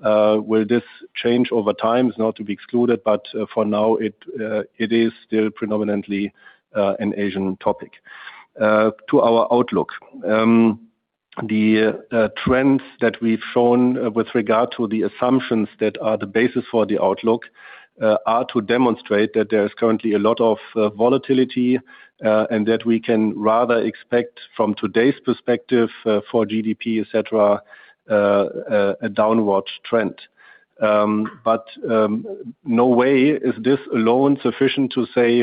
Will this change over time? It's not to be excluded, but for now, it is still predominantly an Asian topic. To our outlook. The trends that we've shown with regard to the assumptions that are the basis for the outlook are to demonstrate that there is currently a lot of volatility, and that we can rather expect from today's perspective for GDP, et cetera, a downward trend. No way is this alone sufficient to say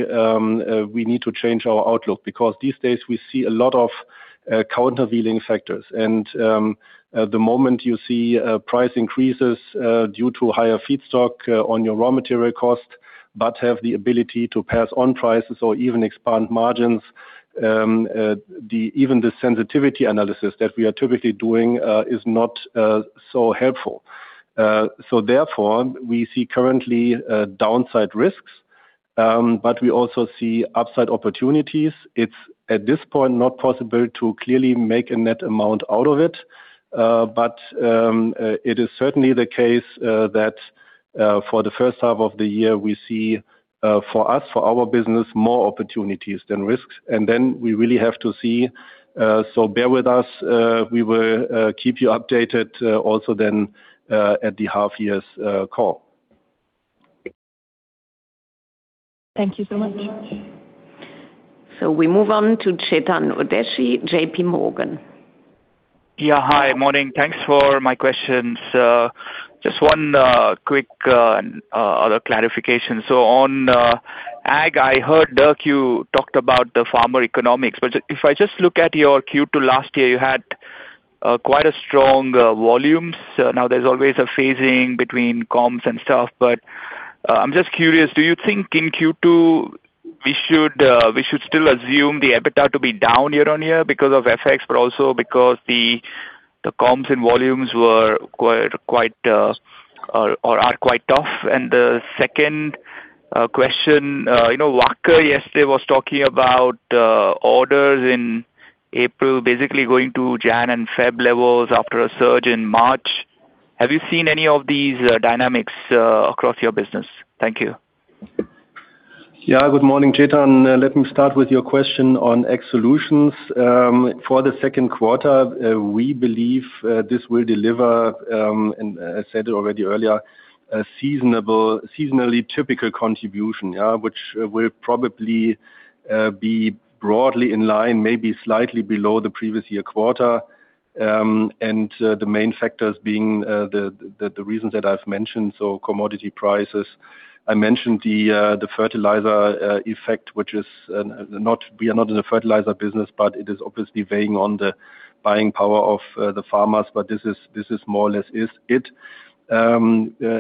we need to change our outlook because these days we see a lot of countervailing factors. At the moment you see price increases due to higher feedstock on your raw material cost, but have the ability to pass on prices or even expand margins. Even the sensitivity analysis that we are typically doing is not so helpful. Therefore we see currently downside risks, but we also see upside opportunities. It's at this point not possible to clearly make a net amount out of it. But it is certainly the case that for the first half of the year, we see for us, for our business, more opportunities than risks. Then we really have to see, so bear with us. We will keep you updated also then at the half year's call. Thank you so much. We move on to Chetan Udeshi, JP Morgan. Yeah. Hi. Morning. Thanks for my questions. Just one quick other clarification. On Agricultural Solutions, I heard, Dirk, you talked about the farmer economics, but if I just look at your Q2 last year, you had quite a strong volumes. There's always a phasing between comps and stuff, but I'm just curious, do you think in Q2 we should still assume the EBITDA to be down year-on-year because of FX, but also because the comps and volumes were quite tough? The second question, you know, Wacker yesterday was talking about orders in April, basically going to January and February levels after a surge in March. Have you seen any of these dynamics across your business? Thank you. Yeah. Good morning, Chetan Udeshi. Let me start with your question on Agricultural Solutions. For the second quarter, we believe this will deliver, and I said already earlier, a seasonally typical contribution, yeah, which will probably be broadly in line, maybe slightly below the previous year quarter. The main factors being the reasons that I've mentioned, so commodity prices. I mentioned the fertilizer effect, which is we are not in the fertilizer business, but it is obviously weighing on the buying power of the farmers. This is more or less is it.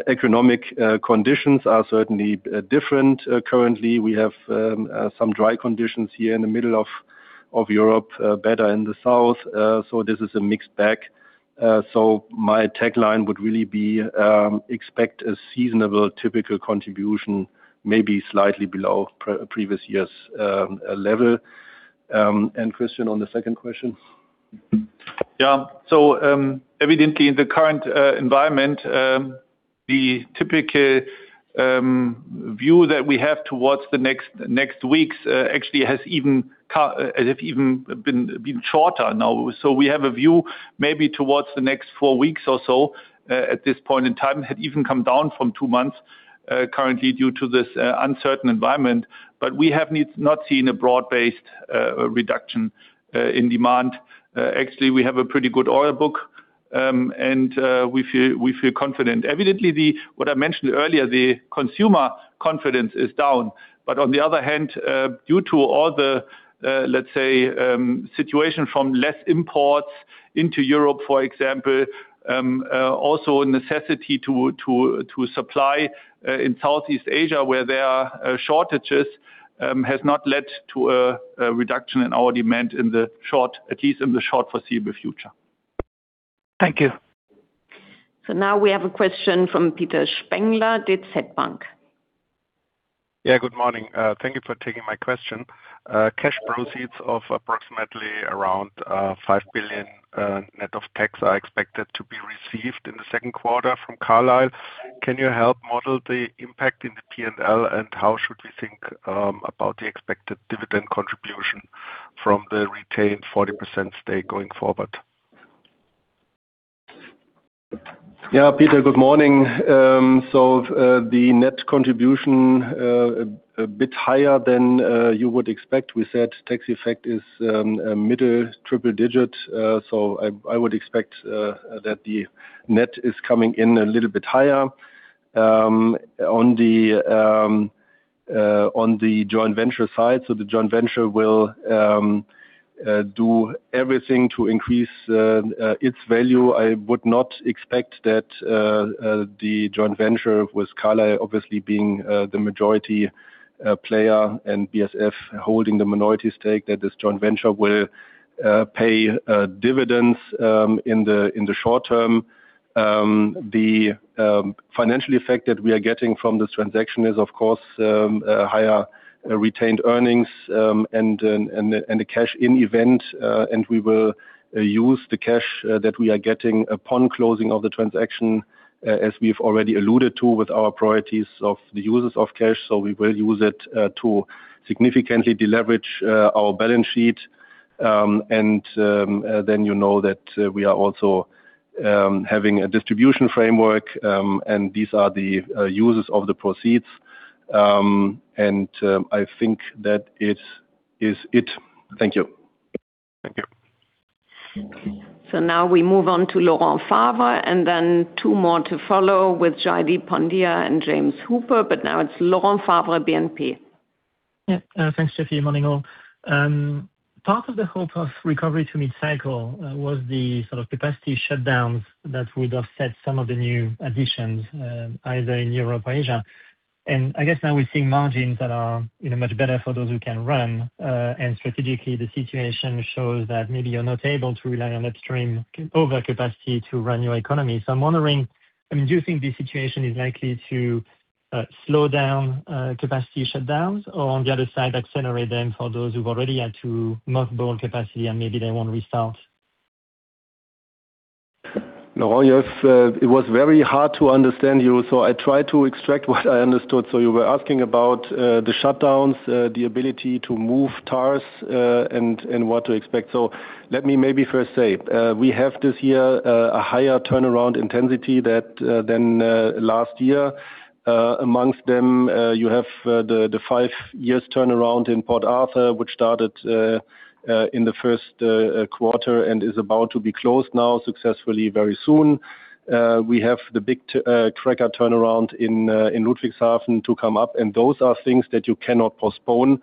Economic conditions are certainly different. Currently, we have some dry conditions here in the middle of Europe, better in the South. This is a mixed bag. My tagline would really be, expect a seasonable typical contribution, maybe slightly below pre-previous years', level. Christian, on the second question. Evidently in the current environment, the typical view that we have towards the next weeks actually has even been shorter now. We have a view maybe towards the next four weeks or so, at this point in time, had even come down from two months currently due to this uncertain environment. We have not seen a broad-based reduction in demand. Actually, we have a pretty good order book and we feel confident. Evidently, what I mentioned earlier, the consumer confidence is down. On the other hand, due to all the, let's say, situation from less imports into Europe, for example, also a necessity to supply in Southeast Asia where there are shortages, has not led to a reduction in our demand in the short, at least in the short foreseeable future. Thank you. Now we have a question from Peter Spengler, DZ Bank. Good morning. Thank you for taking my question. Cash proceeds of approximately around 5 billion net of tax are expected to be received in the second quarter from Carlyle. Can you help model the impact in the P&L? How should we think about the expected dividend contribution from the retained 40% stake going forward? Peter, good morning. The net contribution, a bit higher than you would expect. We said tax effect is middle triple digit. I would expect that the net is coming in a little bit higher. On the joint venture side. The joint venture will do everything to increase its value. I would not expect that the joint venture with Carlyle obviously being the majority player and BASF holding the minority stake, that this joint venture will pay dividends in the short term. The financial effect that we are getting from this transaction is of course higher retained earnings and a cash in event. We will use the cash that we are getting upon closing of the transaction, as we've already alluded to with our priorities of the users of cash. We will use it to significantly deleverage our balance sheet. You know that we are also having a distribution framework, and these are the uses of the proceeds. I think that is it. Thank you. Thank you. Now we move on to Laurent Favre, and then two more to follow with Jaideep Pandya and James Hooper. Now it's Laurent Favre, BNP. Thanks, Stefanie. Morning all. Part of the hope of recovery to mid-cycle was the sort of capacity shutdowns that would offset some of the new additions either in Europe or Asia. I guess now we're seeing margins that are, you know, much better for those who can run. Strategically, the situation shows that maybe you're not able to rely on upstream overcapacity to run your economy. I'm wondering, I mean, do you think this situation is likely to slow down capacity shutdowns? On the other side, accelerate them for those who've already had to mothball capacity and maybe they won't restart? Laurent Favre, yes, it was very hard to understand you. I tried to extract what I understood. You were asking about the shutdowns, the ability to move TARs, and what to expect. Let me maybe first say, we have this year a higher turnaround intensity than last year. Amongst them, you have the five-year turnaround in Port Arthur, which started in the first quarter and is about to be closed now successfully very soon. We have the big cracker turnaround in Ludwigshafen to come up. Those are things that you cannot postpone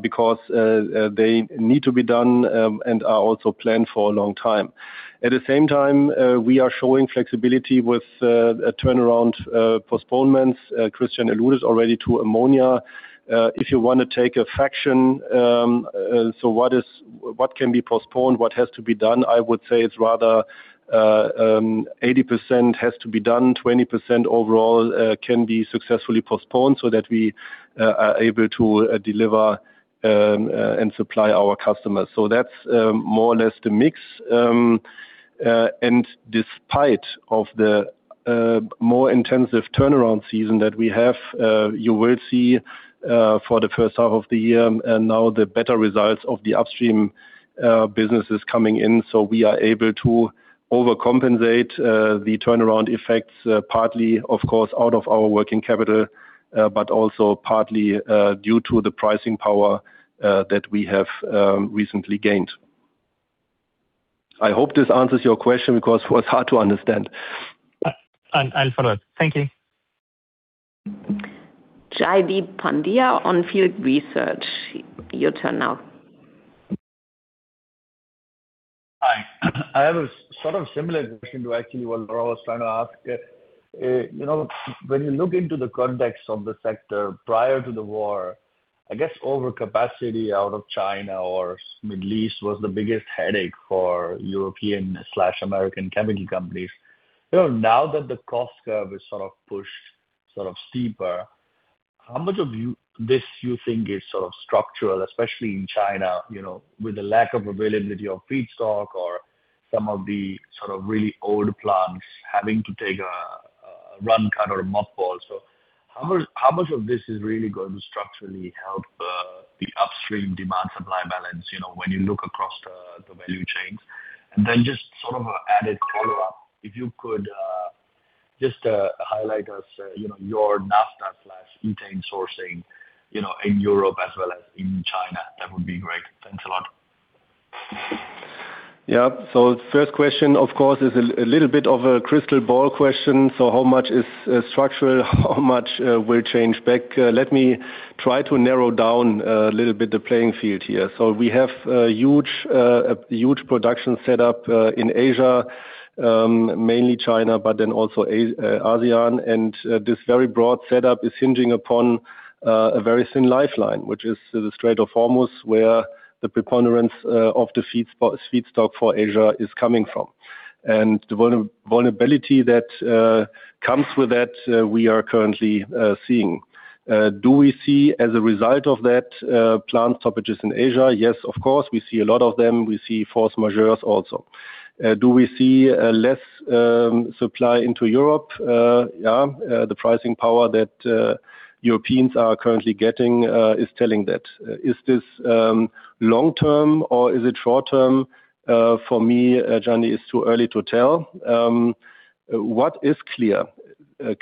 because they need to be done and are also planned for a long time. At the same time, we are showing flexibility with a turnaround postponements. Christian alluded already to ammonia. If you wanna take a fraction, so what can be postponed, what has to be done? I would say it's rather 80% has to be done, 20% overall can be successfully postponed so that we are able to deliver and supply our customers. That's more or less the mix. Despite of the more intensive TAR season that we have, you will see for the first half of the year and now the better results of the upstream businesses coming in. We are able to overcompensate the turnaround effects, partly of course, out of our working capital, but also partly due to the pricing power that we have recently gained. I hope this answers your question because it was hard to understand. All right. Thank you. Jaideep Pandya On Field Research. Your turn now. Hi. I have a sort of similar question to actually what Laurent Favre was trying to ask. you know, when you look into the context of the sector prior to the war, I guess overcapacity out of China or Middle East was the biggest headache for European/American chemical companies. You know, now that the cost curve is sort of pushed sort of steeper, how much of this you think is sort of structural, especially in China, you know, with the lack of availability of feedstock or some of the sort of really old plants having to take a run cut or a mothball. How much of this is really going to structurally help the upstream demand supply balance, you know, when you look across the value chains? Just sort of a added follow-up, if you could, just highlight us, you know, your naphtha/ethane sourcing, you know, in Europe as well as in China. That would be great. Thanks a lot. The first question, of course, is a little bit of a crystal ball question. How much is structural? How much will change back? Let me try to narrow down a little bit the playing field here. We have a huge production set up in Asia, mainly China, but then also ASEAN. This very broad setup is hinging upon a very thin lifeline, which is the Strait of Hormuz. The preponderance of the feedstock for Asia is coming from. The vulnerability that comes with that, we are currently seeing. Do we see as a result of that, plant stoppages in Asia? Yes, of course, we see a lot of them. We see force majeures also. Do we see less supply into Europe? The pricing power that Europeans are currently getting is telling that. Is this long-term or is it short-term? For me, Jaideep, it's too early to tell. What is clear,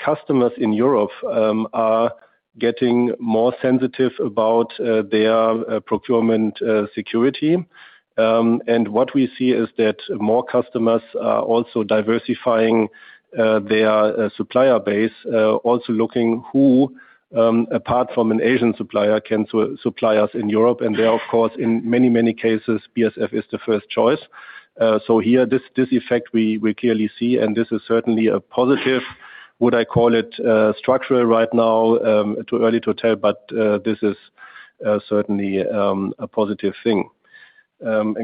customers in Europe are getting more sensitive about their procurement security. What we see is that more customers are also diversifying their supplier base. Also looking who, apart from an Asian supplier, can supply us in Europe. There, of course, in many, many cases, BASF is the first choice. Here, this effect we clearly see, and this is certainly a positive. Would I call it structural right now? Too early to tell, this is certainly a positive thing.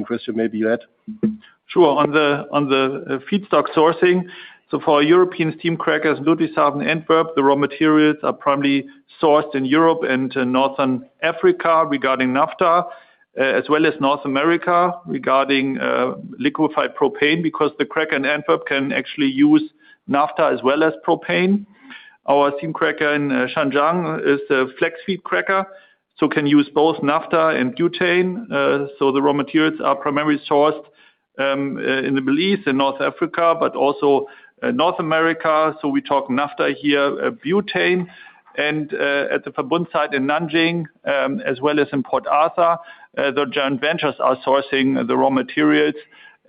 Christian, maybe you add? Sure. On the feedstock sourcing, for our European steam crackers, Ludwigshafen and Antwerp, the raw materials are primarily sourced in Europe and in Northern Africa regarding naphtha, as well as North America regarding liquefied propane, because the cracker in Antwerp can actually use naphtha as well as propane. Our steam cracker in Zhanjiang is a flex-feed cracker, so can use both naphtha and butane. The raw materials are primarily sourced in the Middle East and North Africa, but also North America. We talk naphtha here, butane. At the Verbund site in Nanjing, as well as in Port Arthur, the joint ventures are sourcing the raw materials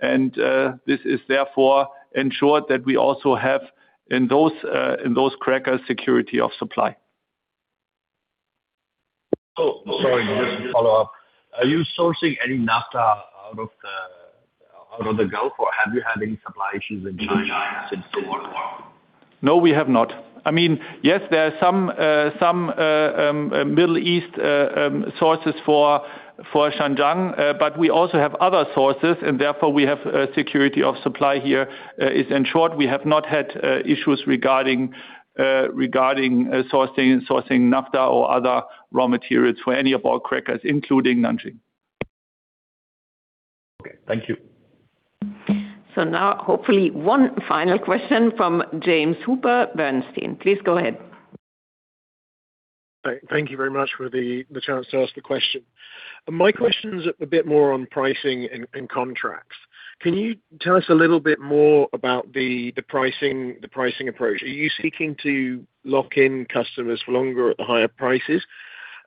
and this is therefore ensured that we also have in those in those crackers security of supply. Oh, sorry, just to follow up. Are you sourcing any naphtha out of the Gulf, or have you had any supply issues in China since the lockdown? No, we have not. I mean, yes, there are some Middle East sources for Zhanjiang, but we also have other sources and therefore we have security of supply here. It's ensured we have not had issues regarding sourcing naphtha or other raw materials for any of our crackers, including Zhanjiang. Okay. Thank you. Now hopefully one final question from James Hooper, Bernstein. Please go ahead. Hi. Thank you very much for the chance to ask the question. My question is a bit more on pricing and contracts. Can you tell us a little bit more about the pricing approach? Are you seeking to lock in customers for longer at the higher prices?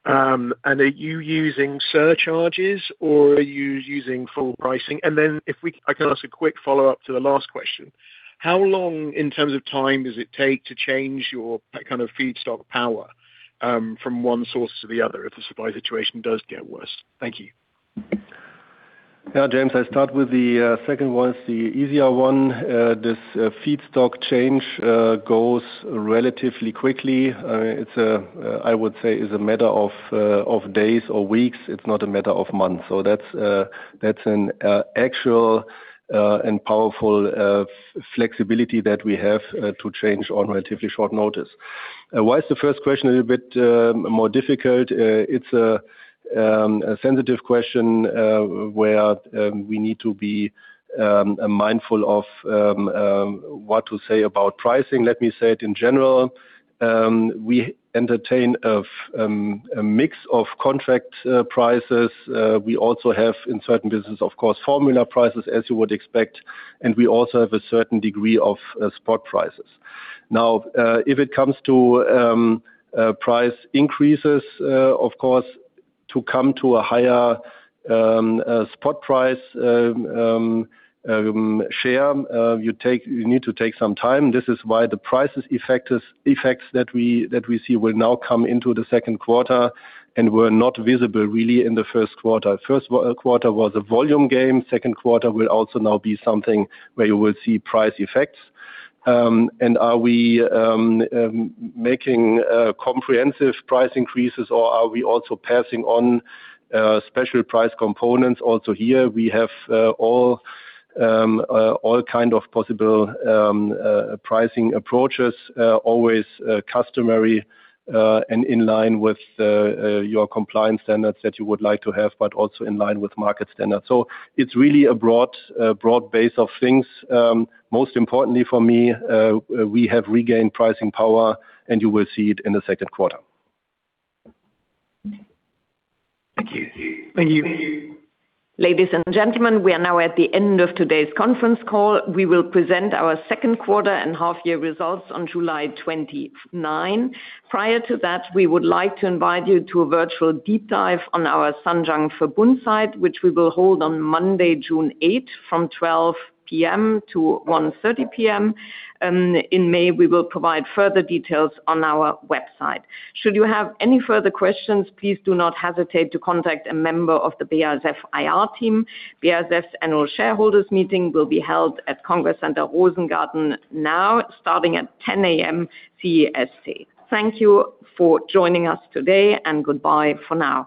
Are you using surcharges or are you using full pricing? I can ask a quick follow-up to the last question. How long in terms of time does it take to change your kind of feedstock power from one source to the other if the supply situation does get worse? Thank you. James, I start with the second one. It's the easier one. This feedstock change goes relatively quickly. It's a, I would say, is a matter of days or weeks. It's not a matter of months. That's an actual and powerful flexibility that we have to change on relatively short notice. Why is the first question a little bit more difficult? It's a sensitive question where we need to be mindful of what to say about pricing. Let me say it in general. We entertain a mix of contract prices. We also have in certain business, of course, formula prices as you would expect, and we also have a certain degree of spot prices. Now, if it comes to price increases, of course, to come to a higher spot price share, you need to take some time. This is why the price effects that we, that we see will now come into the second quarter and were not visible really in the first quarter. First quarter was a volume game. Second quarter will also now be something where you will see price effects. Are we making comprehensive price increases or are we also passing on special price components? Here we have all kind of possible pricing approaches, always customary and in line with your compliance standards that you would like to have, but also in line with market standards. It's really a broad base of things. Most importantly for me, we have regained pricing power, and you will see it in the second quarter. Thank you. Ladies and gentlemen, we are now at the end of today's conference call. We will present our second quarter and half year results on July 29. Prior to that, we would like to invite you to a virtual deep dive on our Zhanjiang Verbund site, which we will hold on Monday, June 8th from 12:00 A.M. to 1:30 P.M. In May, we will provide further details on our website. Should you have any further questions, please do not hesitate to contact a member of the BASF IR team. BASF's annual shareholders' meeting will be held at Congress Center Rosengarten now, starting at 10:00 A.M. CEST. Thank you for joining us today, and goodbye for now.